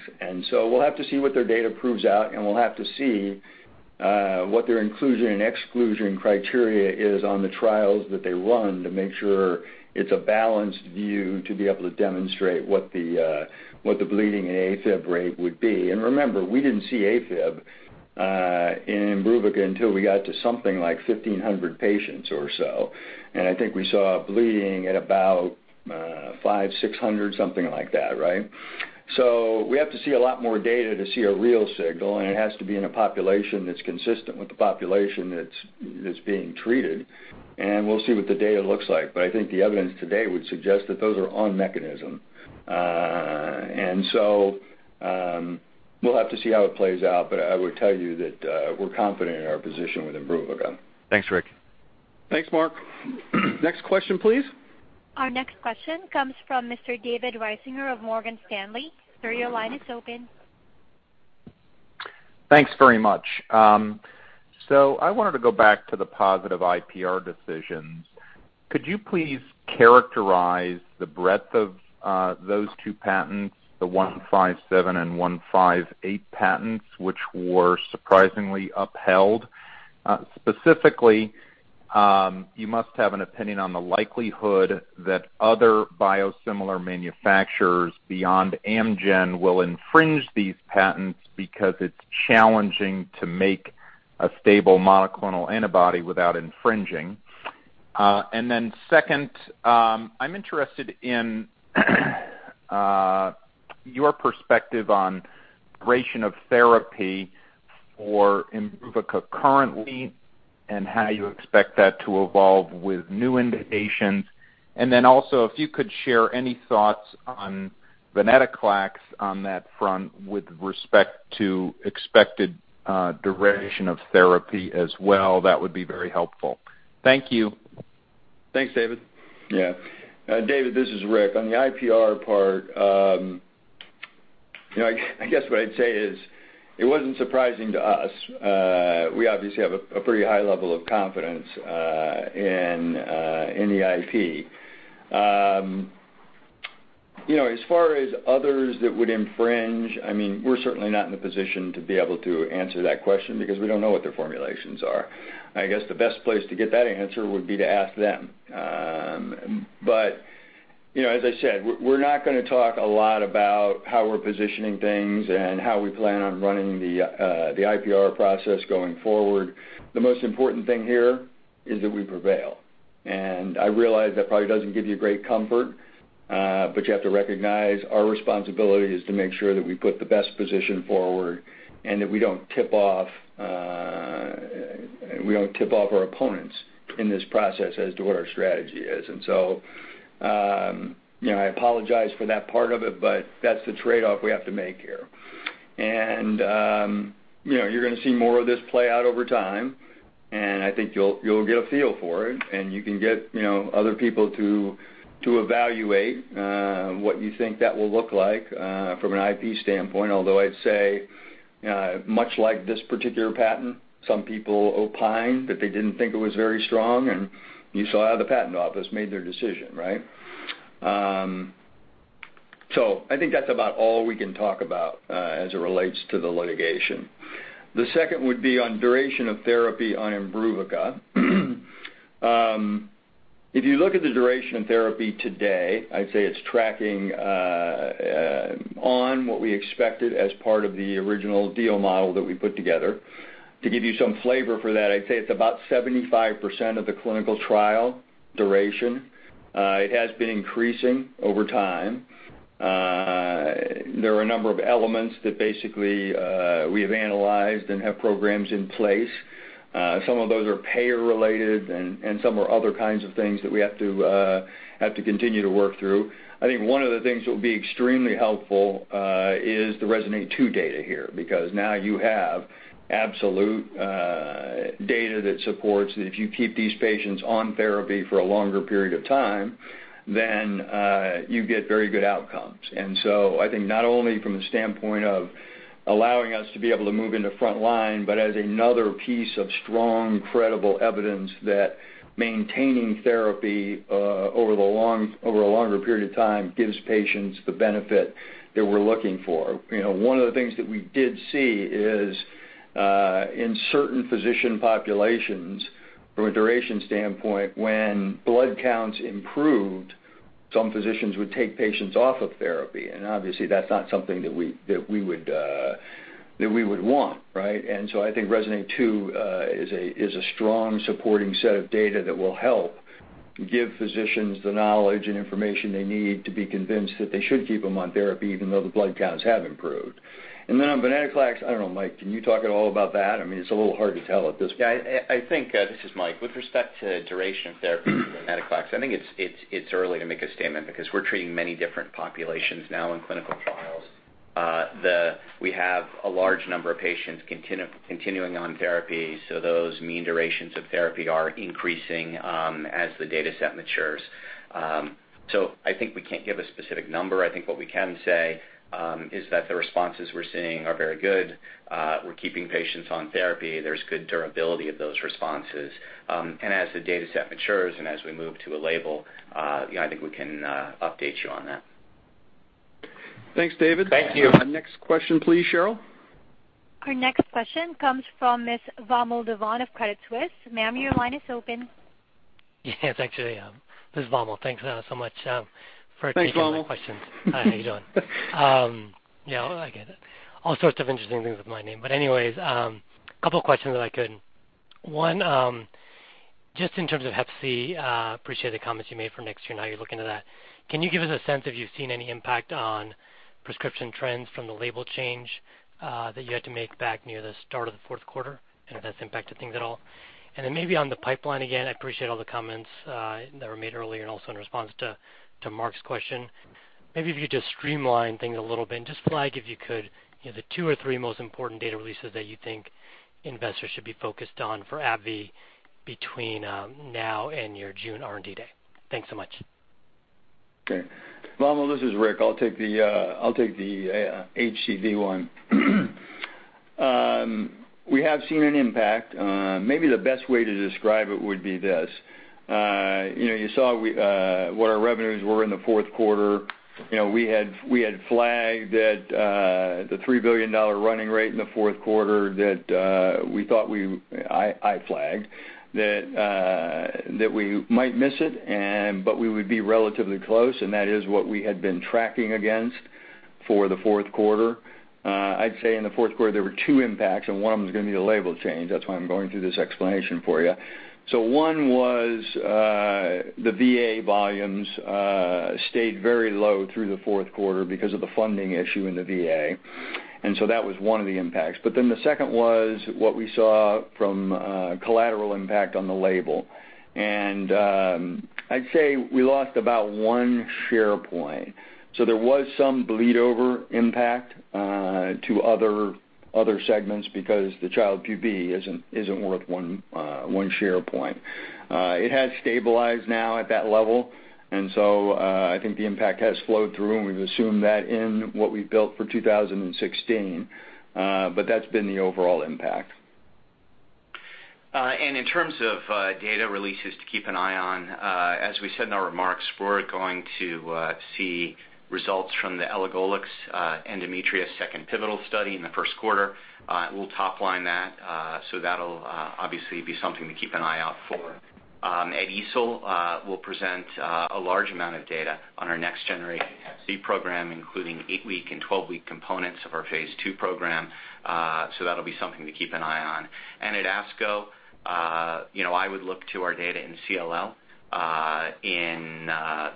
We'll have to see what their data proves out, and we'll have to see what their inclusion and exclusion criteria is on the trials that they run to make sure it's a balanced view to be able to demonstrate what the bleeding and AFib rate would be. Remember, we didn't see AFib in IMBRUVICA until we got to something like 1,500 patients or so. I think we saw bleeding at about 500, 600, something like that, right? We have to see a lot more data to see a real signal, and it has to be in a population that's consistent with the population that's being treated, and we'll see what the data looks like. I think the evidence today would suggest that those are on mechanism. We'll have to see how it plays out, but I would tell you that we're confident in our position with IMBRUVICA. Thanks, Rick. Thanks, Mark. Next question, please. Our next question comes from Mr. David Risinger of Morgan Stanley. Sir, your line is open. Thanks very much. I wanted to go back to the positive IPR decisions. Could you please characterize the breadth of those two patents, the one five seven and one five eight patents, which were surprisingly upheld? Specifically, you must have an opinion on the likelihood that other biosimilar manufacturers beyond Amgen will infringe these patents because it's challenging to make a stable monoclonal antibody without infringing. Second, I'm interested in your perspective on duration of therapy for IMBRUVICA currently and how you expect that to evolve with new indications. Also, if you could share any thoughts on venetoclax on that front with respect to expected duration of therapy as well, that would be very helpful. Thank you. Thanks, David. Yeah. David, this is Rick. On the IPR part, I guess what I'd say is it wasn't surprising to us. We obviously have a pretty high level of confidence in the IP. As far as others that would infringe, we're certainly not in the position to be able to answer that question because we don't know what their formulations are. I guess the best place to get that answer would be to ask them. As I said, we're not going to talk a lot about how we're positioning things and how we plan on running the IPR process going forward. The most important thing here is that we prevail. I realize that probably doesn't give you great comfort, you have to recognize our responsibility is to make sure that we put the best position forward and that we don't tip off our opponents in this process as to what our strategy is. I apologize for that part of it, but that's the trade-off we have to make here. You're going to see more of this play out over time, and I think you'll get a feel for it, and you can get other people to evaluate what you think that will look like from an IP standpoint, although I'd say much like this particular patent, some people opined that they didn't think it was very strong, and you saw how the patent office made their decision, right? I think that's about all we can talk about as it relates to the litigation. The second would be on duration of therapy on IMBRUVICA. If you look at the duration of therapy today, I'd say it's tracking on what we expected as part of the original deal model that we put together. To give you some flavor for that, I'd say it's about 75% of the clinical trial duration. It has been increasing over time. There are a number of elements that basically we have analyzed and have programs in place. Some of those are payer related and some are other kinds of things that we have to continue to work through. I think one of the things that will be extremely helpful is the RESONATE-2 data here, because now you have absolute data that supports that if you keep these patients on therapy for a longer period of time, then you get very good outcomes. I think not only from the standpoint of allowing us to be able to move into front line, but as another piece of strong, credible evidence that maintaining therapy over a longer period of time gives patients the benefit that we're looking for. One of the things that we did see is in certain physician populations, from a duration standpoint, when blood counts improved, some physicians would take patients off of therapy. Obviously, that's not something that we would want, right? I think RESONATE-2 is a strong supporting set of data that will help give physicians the knowledge and information they need to be convinced that they should keep them on therapy even though the blood counts have improved. Then on venetoclax, I don't know, Mike, can you talk at all about that? It's a little hard to tell at this point. I think, this is Mike, with respect to duration of therapy for venetoclax, I think it's early to make a statement because we're treating many different populations now in clinical trials. We have a large number of patients continuing on therapy, so those mean durations of therapy are increasing as the data set matures. I think we can't give a specific number. I think what we can say is that the responses we're seeing are very good. We're keeping patients on therapy. There's good durability of those responses. As the data set matures and as we move to a label I think we can update you on that. Thanks, David. Thank you. Next question, please, Cheryl. Our next question comes from Vamil Divan of Credit Suisse. Your line is open. Yes, actually. This is Vamil. Thanks so much for taking my questions. Thanks, Vamil. How you doing? Yeah, I get all sorts of interesting things with my name. Anyways, couple questions if I could. One, just in terms of HCV, appreciate the comments you made for next year and how you're looking at that. Can you give us a sense if you've seen any impact on prescription trends from the label change that you had to make back near the start of the fourth quarter, and if that's impacted things at all? Then maybe on the pipeline, again, I appreciate all the comments that were made earlier and also in response to Mark's question. Maybe if you could just streamline things a little bit and just flag, if you could, the two or three most important data releases that you think investors should be focused on for AbbVie between now and your June R&D day. Thanks so much. Okay. Vamil, this is Rick. I'll take the HCV one. We have seen an impact. Maybe the best way to describe it would be this. You saw what our revenues were in the fourth quarter. We had flagged that the $3 billion running rate in the fourth quarter that I flagged that we might miss it. We would be relatively close. That is what we had been tracking against for the fourth quarter. I'd say in the fourth quarter, there were two impacts. One of them is going to be the label change. That's why I'm going through this explanation for you. One was the VA volumes stayed very low through the fourth quarter because of the funding issue in the VA. That was one of the impacts. The second was what we saw from collateral impact on the label. I'd say we lost about one share point. There was some bleed over impact to other segments because the Child-Pugh B isn't worth one share point. It has stabilized now at that level, I think the impact has flowed through, and we've assumed that in what we've built for 2016. That's been the overall impact. In terms of data releases to keep an eye on, as we said in our remarks, we're going to see results from the elagolix endometriosis second pivotal study in the first quarter. We'll top-line that'll obviously be something to keep an eye out for. At EASL, we'll present a large amount of data on our next-generation HCV program, including eight-week and 12-week components of our phase II program. That'll be something to keep an eye on. At ASCO, I would look to our data in CLL, in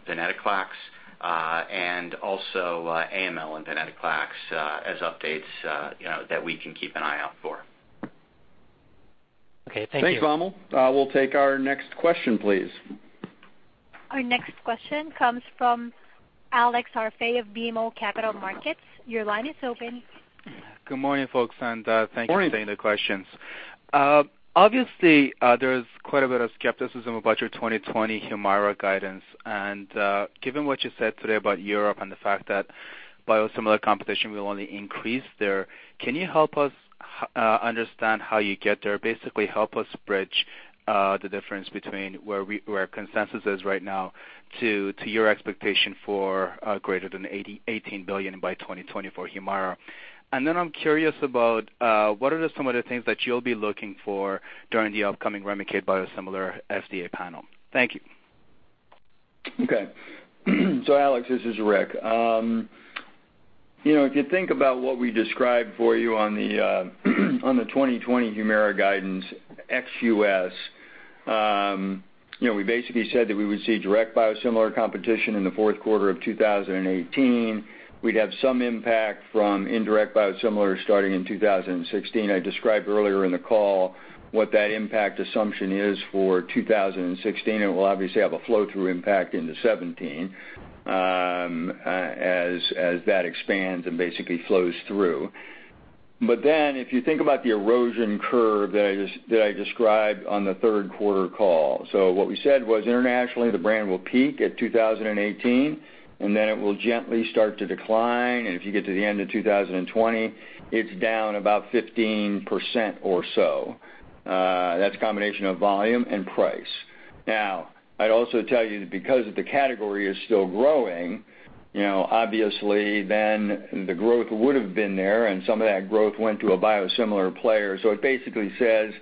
venetoclax, and also AML and venetoclax as updates that we can keep an eye out for. Okay. Thank you. Thanks, Vamil. We'll take our next question, please. Our next question comes from Alex Arfaei of BMO Capital Markets. Your line is open. Good morning, folks, and thank you- Morning for taking the questions. Obviously, there's quite a bit of skepticism about your 2020 Humira guidance. Given what you said today about Europe and the fact that biosimilar competition will only increase there, can you help us understand how you get there? Basically, help us bridge the difference between where our consensus is right now to your expectation for greater than $18 billion by 2020 for Humira. Then I'm curious about what are some of the things that you'll be looking for during the upcoming REMICADE biosimilar FDA panel. Thank you. Okay. Alex, this is Rick. If you think about what we described for you on the 2020 Humira guidance, ex-U.S., we basically said that we would see direct biosimilar competition in the fourth quarter of 2018. We'd have some impact from indirect biosimilars starting in 2016. I described earlier in the call what that impact assumption is for 2016. It will obviously have a flow-through impact into 2017 as that expands and basically flows through. Then, if you think about the erosion curve that I described on the third quarter call. What we said was, internationally, the brand will peak at 2018, and then it will gently start to decline. If you get to the end of 2020, it's down about 15% or so. That's a combination of volume and price. I'd also tell you that because the category is still growing, obviously, the growth would've been there, and some of that growth went to a biosimilar player. It basically says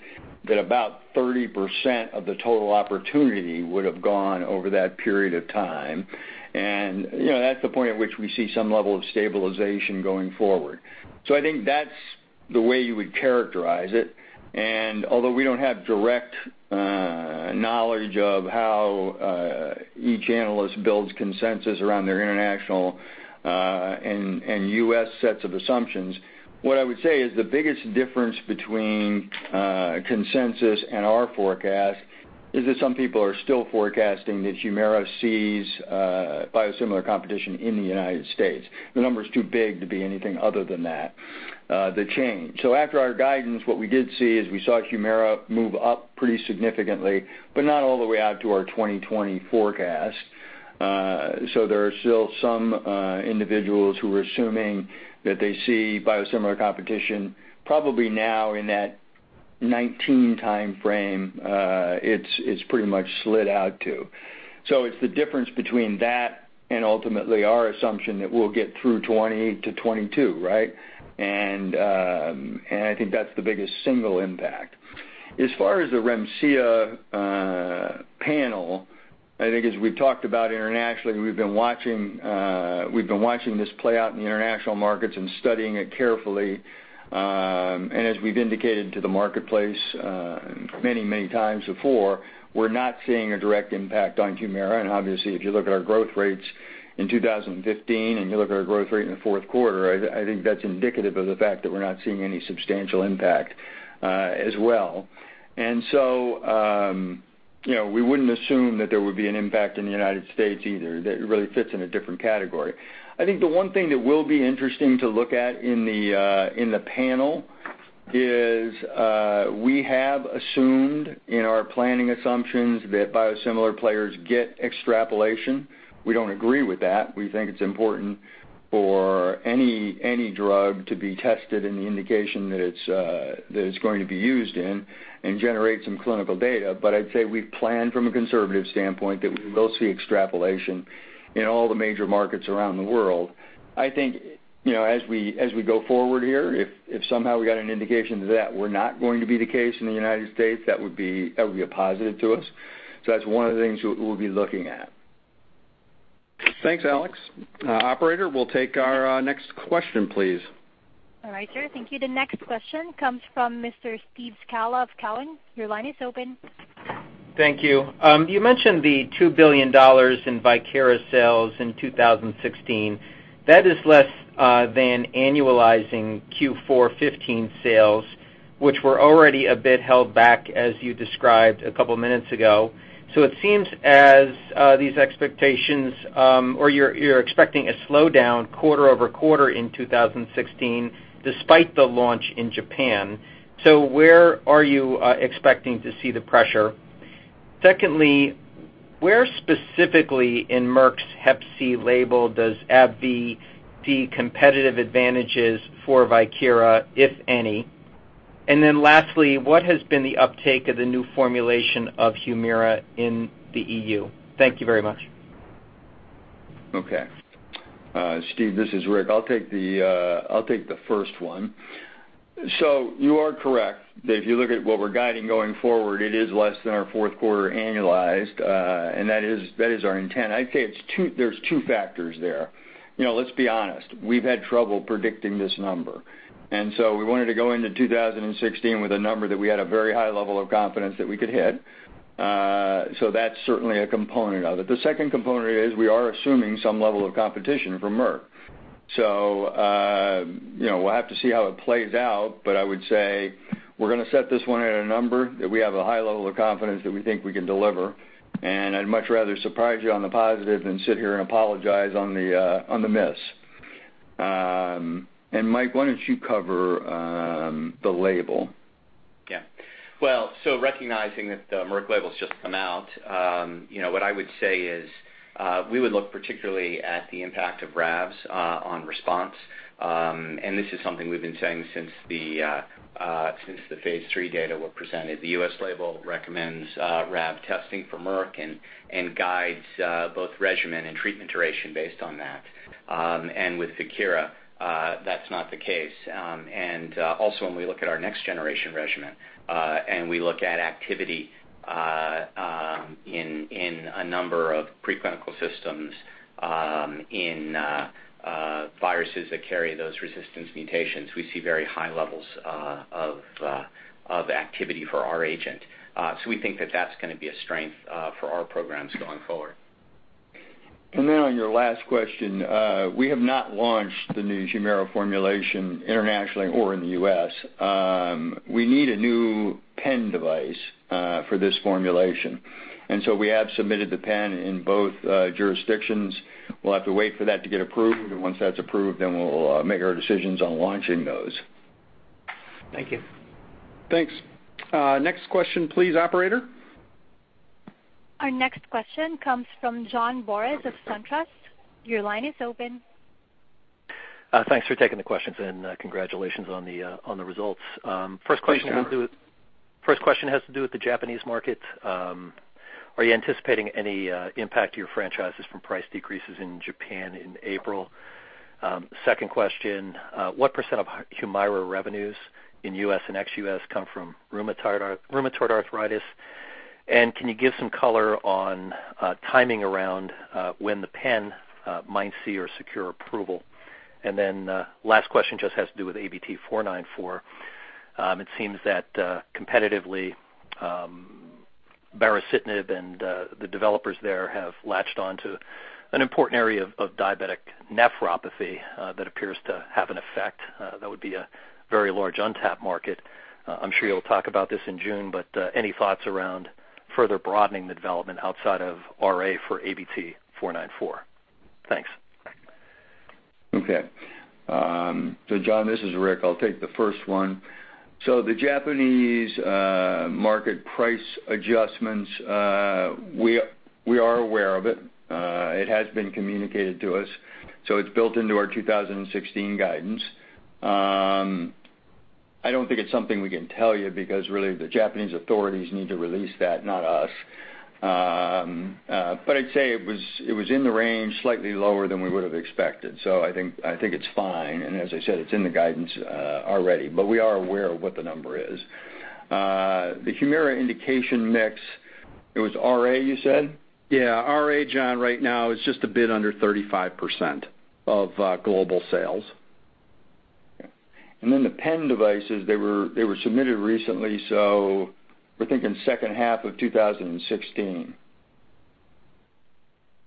that about 30% of the total opportunity would've gone over that period of time. That's the point at which we see some level of stabilization going forward. I think that's the way you would characterize it. Although we don't have direct knowledge of how each analyst builds consensus around their international and U.S. sets of assumptions, what I would say is the biggest difference between consensus and our forecast is that some people are still forecasting that Humira sees biosimilar competition in the U.S. The number's too big to be anything other than that, the change. After our guidance, what we did see is we saw Humira move up pretty significantly, but not all the way out to our 2020 forecast. There are still some individuals who are assuming that they see biosimilar competition probably now in that 2019 timeframe it's pretty much slid out to. It's the difference between that and ultimately our assumption that we'll get through 2020 to 2022, right? I think that's the biggest single impact. As far as the Remsima panel, I think as we've talked about internationally, we've been watching this play out in the international markets and studying it carefully. As we've indicated to the marketplace many times before, we're not seeing a direct impact on Humira. Obviously, if you look at our growth rates in 2015, and you look at our growth rate in the fourth quarter, I think that's indicative of the fact that we're not seeing any substantial impact as well. We wouldn't assume that there would be an impact in the U.S. either. That really fits in a different category. I think the one thing that will be interesting to look at in the panel is, we have assumed in our planning assumptions that biosimilar players get extrapolation. We don't agree with that. We think it's important for any drug to be tested in the indication that it's going to be used in and generate some clinical data. I'd say we've planned from a conservative standpoint that we will see extrapolation in all the major markets around the world. I think as we go forward here, if somehow we got an indication that we're not going to be the case in the U.S., that would be a positive to us. That's one of the things we'll be looking at. Thanks, Alex. Operator, we'll take our next question, please. All right, sir. Thank you. The next question comes from Mr. Steve Scala of Cowen. Your line is open. Thank you. You mentioned the $2 billion in Viekira sales in 2016. That is less than annualizing Q4 2015 sales, which were already a bit held back, as you described a couple of minutes ago. It seems as these expectations, or you're expecting a slowdown quarter-over-quarter in 2016 despite the launch in Japan. Where are you expecting to see the pressure? Secondly, where specifically in Merck's hep C label does AbbVie see competitive advantages for Viekira, if any? Lastly, what has been the uptake of the new formulation of Humira in the EU? Thank you very much. Okay. Steve, this is Rick. I'll take the first one. You are correct that if you look at what we're guiding going forward, it is less than our fourth quarter annualized, that is our intent. I'd say there's two factors there. Let's be honest. We've had trouble predicting this number, we wanted to go into 2016 with a number that we had a very high level of confidence that we could hit. That's certainly a component of it. The second component is we are assuming some level of competition from Merck. We'll have to see how it plays out, but I would say we're going to set this one at a number that we have a high level of confidence that we think we can deliver. I'd much rather surprise you on the positive than sit here and apologize on the miss. Mike, why don't you cover the label? Yeah. Recognizing that the Merck label's just come out, what I would say is, we would look particularly at the impact of RAVs on response. This is something we've been saying since the phase III data were presented. The U.S. label recommends RAV testing for Merck and guides both regimen and treatment duration based on that. With Viekira, that's not the case. Also when we look at our next generation regimen, and we look at activity in a number of preclinical systems in viruses that carry those resistance mutations, we see very high levels of activity for our agent. We think that that's going to be a strength for our programs going forward. On your last question, we have not launched the new Humira formulation internationally or in the U.S. We need a new pen device for this formulation. We have submitted the pen in both jurisdictions. We'll have to wait for that to get approved. Once that's approved, we'll make our decisions on launching those. Thank you. Thanks. Next question please, operator. Our next question comes from John Boris of SunTrust. Your line is open. Thanks for taking the questions and congratulations on the results. Please go on. First question has to do with the Japanese market. Are you anticipating any impact to your franchises from price decreases in Japan in April? Second question, what % of Humira revenues in U.S. and ex-U.S. come from rheumatoid arthritis? Can you give some color on timing around when the pen might see or secure approval? Last question just has to do with ABT-494. It seems that competitively baricitinib and the developers there have latched onto an important area of diabetic nephropathy that appears to have an effect that would be a very large untapped market. I'm sure you'll talk about this in June, but any thoughts around further broadening the development outside of RA for ABT-494? Thanks. Okay. John, this is Rick. I'll take the first one. The Japanese market price adjustments, we are aware of it. It has been communicated to us, so it's built into our 2016 guidance. I don't think it's something we can tell you because really the Japanese authorities need to release that, not us. I'd say it was in the range, slightly lower than we would've expected. I think it's fine, and as I said, it's in the guidance already, but we are aware of what the number is. The Humira indication mix, it was RA you said? Yeah, RA, John, right now is just a bit under 35% of global sales. The pen devices, they were submitted recently, so we're thinking second half of 2016.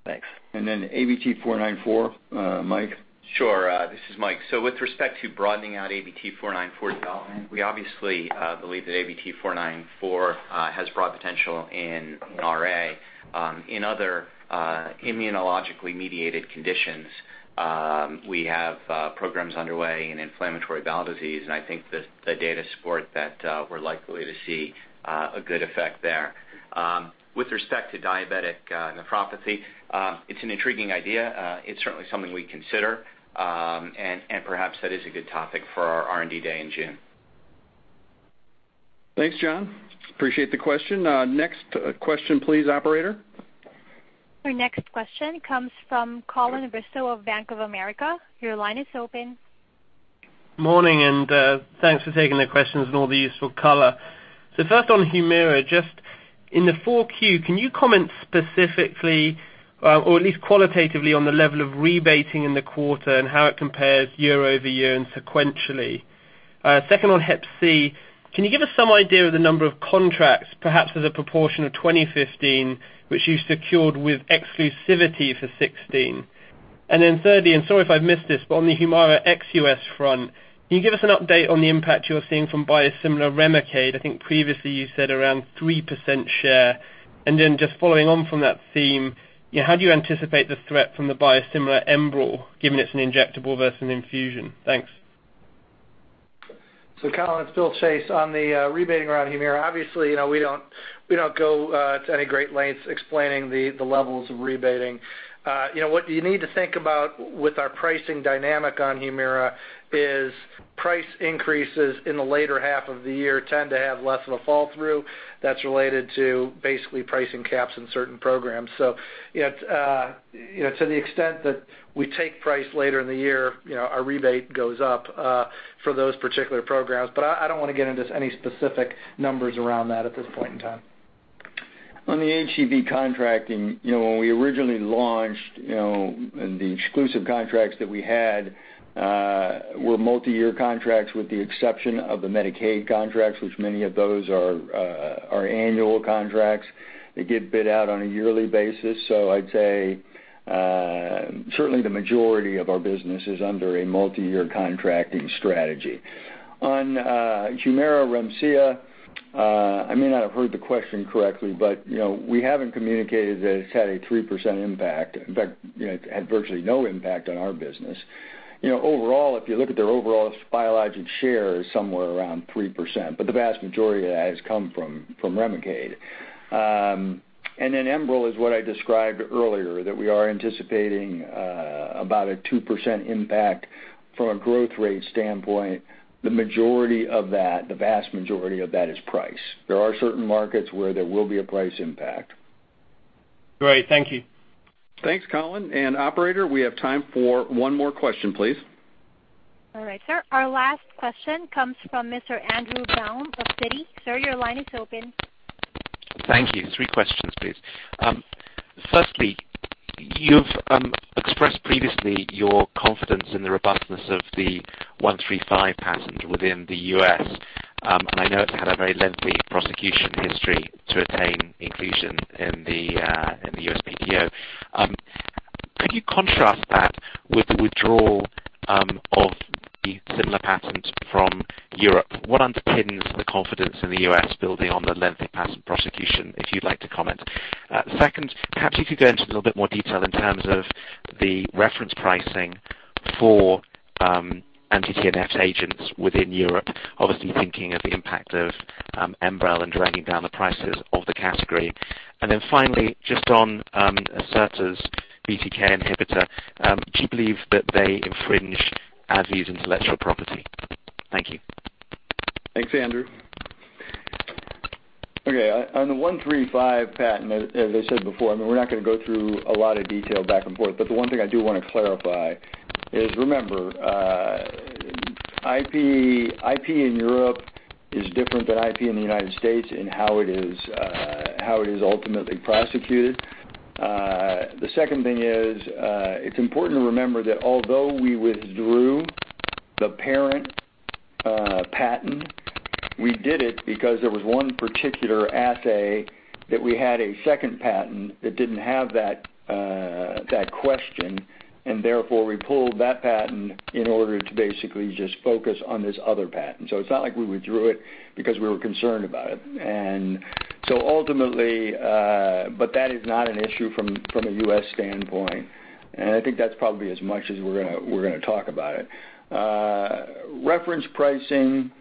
Thanks. ABT-494, Mike? Sure. This is Mike. With respect to broadening out ABT-494 development, we obviously believe that ABT-494 has broad potential in RA. In other immunologically mediated conditions, we have programs underway in inflammatory bowel disease, and I think the data support that we're likely to see a good effect there. With respect to diabetic nephropathy, it's an intriguing idea. It's certainly something we'd consider. Perhaps that is a good topic for our R&D day in June. Thanks, John. Appreciate the question. Next question please, operator. Our next question comes from Colin Bristow of Bank of America. Your line is open. Morning, thanks for taking the questions and all the useful color. First on Humira, just in the 4Q, can you comment specifically or at least qualitatively on the level of rebating in the quarter and how it compares year-over-year and sequentially? Second on hep C, can you give us some idea of the number of contracts, perhaps as a proportion of 2015, which you secured with exclusivity for 2016? Thirdly, sorry if I've missed this, but on the Humira ex-U.S. front, can you give us an update on the impact you're seeing from biosimilar REMICADE? I think previously you said around 3% share. Then just following on from that theme, how do you anticipate the threat from the biosimilar ENBREL, given it's an injectable versus an infusion? Thanks. Colin, it's Bill Chase. On the rebating around Humira, obviously, we don't go to any great lengths explaining the levels of rebating. What you need to think about with our pricing dynamic on Humira is price increases in the later half of the year tend to have less of a fall through that's related to basically pricing caps in certain programs. To the extent that we take price later in the year, our rebate goes up for those particular programs, I don't want to get into any specific numbers around that at this point in time. On the HCV contracting, when we originally launched, the exclusive contracts that we had were multi-year contracts with the exception of the Medicaid contracts, which many of those are annual contracts. They get bid out on a yearly basis. I'd say, certainly the majority of our business is under a multi-year contracting strategy. On Humira, Remsima, I may not have heard the question correctly, but we haven't communicated that it's had a 3% impact. In fact, it had virtually no impact on our business. Overall, if you look at their overall biologic share is somewhere around 3%, but the vast majority of that has come from Remicade. Enbrel is what I described earlier, that we are anticipating about a 2% impact from a growth rate standpoint. The majority of that, the vast majority of that is price. There are certain markets where there will be a price impact. Great. Thank you. Thanks, Colin, operator, we have time for one more question, please. All right, sir, our last question comes from Mr. Andrew Baum of Citi. Sir, your line is open. Thank you. Three questions, please. Firstly, you've expressed previously your confidence in the robustness of the '135 patent within the U.S., I know it's had a very lengthy prosecution history to attain inclusion in the USPTO. Could you contrast that with the withdrawal of the similar patent from Europe? What underpins the confidence in the U.S. building on the lengthy patent prosecution, if you'd like to comment? Second, perhaps you could go into a little bit more detail in terms of the reference pricing for anti-TNF agents within Europe, obviously thinking of the impact of ENBREL and dragging down the prices of the category. Then finally, just on Acerta's BTK inhibitor, do you believe that they infringe AbbVie's intellectual property? Thank you. Thanks, Andrew. Okay, on the '135 patent, as I said before, we're not going to go through a lot of detail back and forth. The one thing I do want to clarify is, remember IP in Europe is different than IP in the United States in how it is ultimately prosecuted. The second thing is it's important to remember that although we withdrew the parent patent, we did it because there was one particular assay that we had a second patent that didn't have that question, and therefore, we pulled that patent in order to basically just focus on this other patent. It's not like we withdrew it because we were concerned about it. That is not an issue from a U.S. standpoint, and I think that's probably as much as we're going to talk about it. Reference pricing,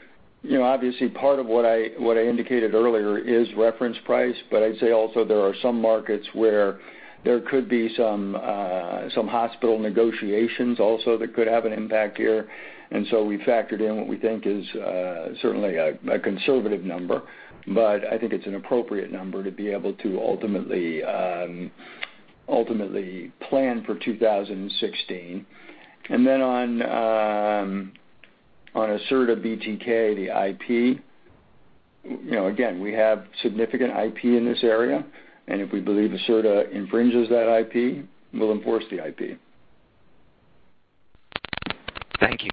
obviously part of what I indicated earlier is reference price, but I'd say also there are some markets where there could be some hospital negotiations also that could have an impact here. So we factored in what we think is certainly a conservative number, but I think it's an appropriate number to be able to ultimately plan for 2016. Then on Acerta BTK, the IP, again, we have significant IP in this area, and if we believe Acerta infringes that IP, we'll enforce the IP. Thank you.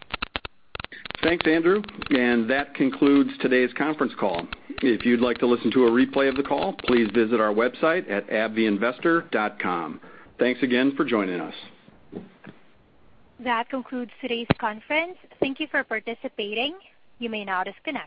Thanks, Andrew. That concludes today's conference call. If you'd like to listen to a replay of the call, please visit our website at abbvieinvestor.com. Thanks again for joining us. That concludes today's conference. Thank you for participating. You may now disconnect.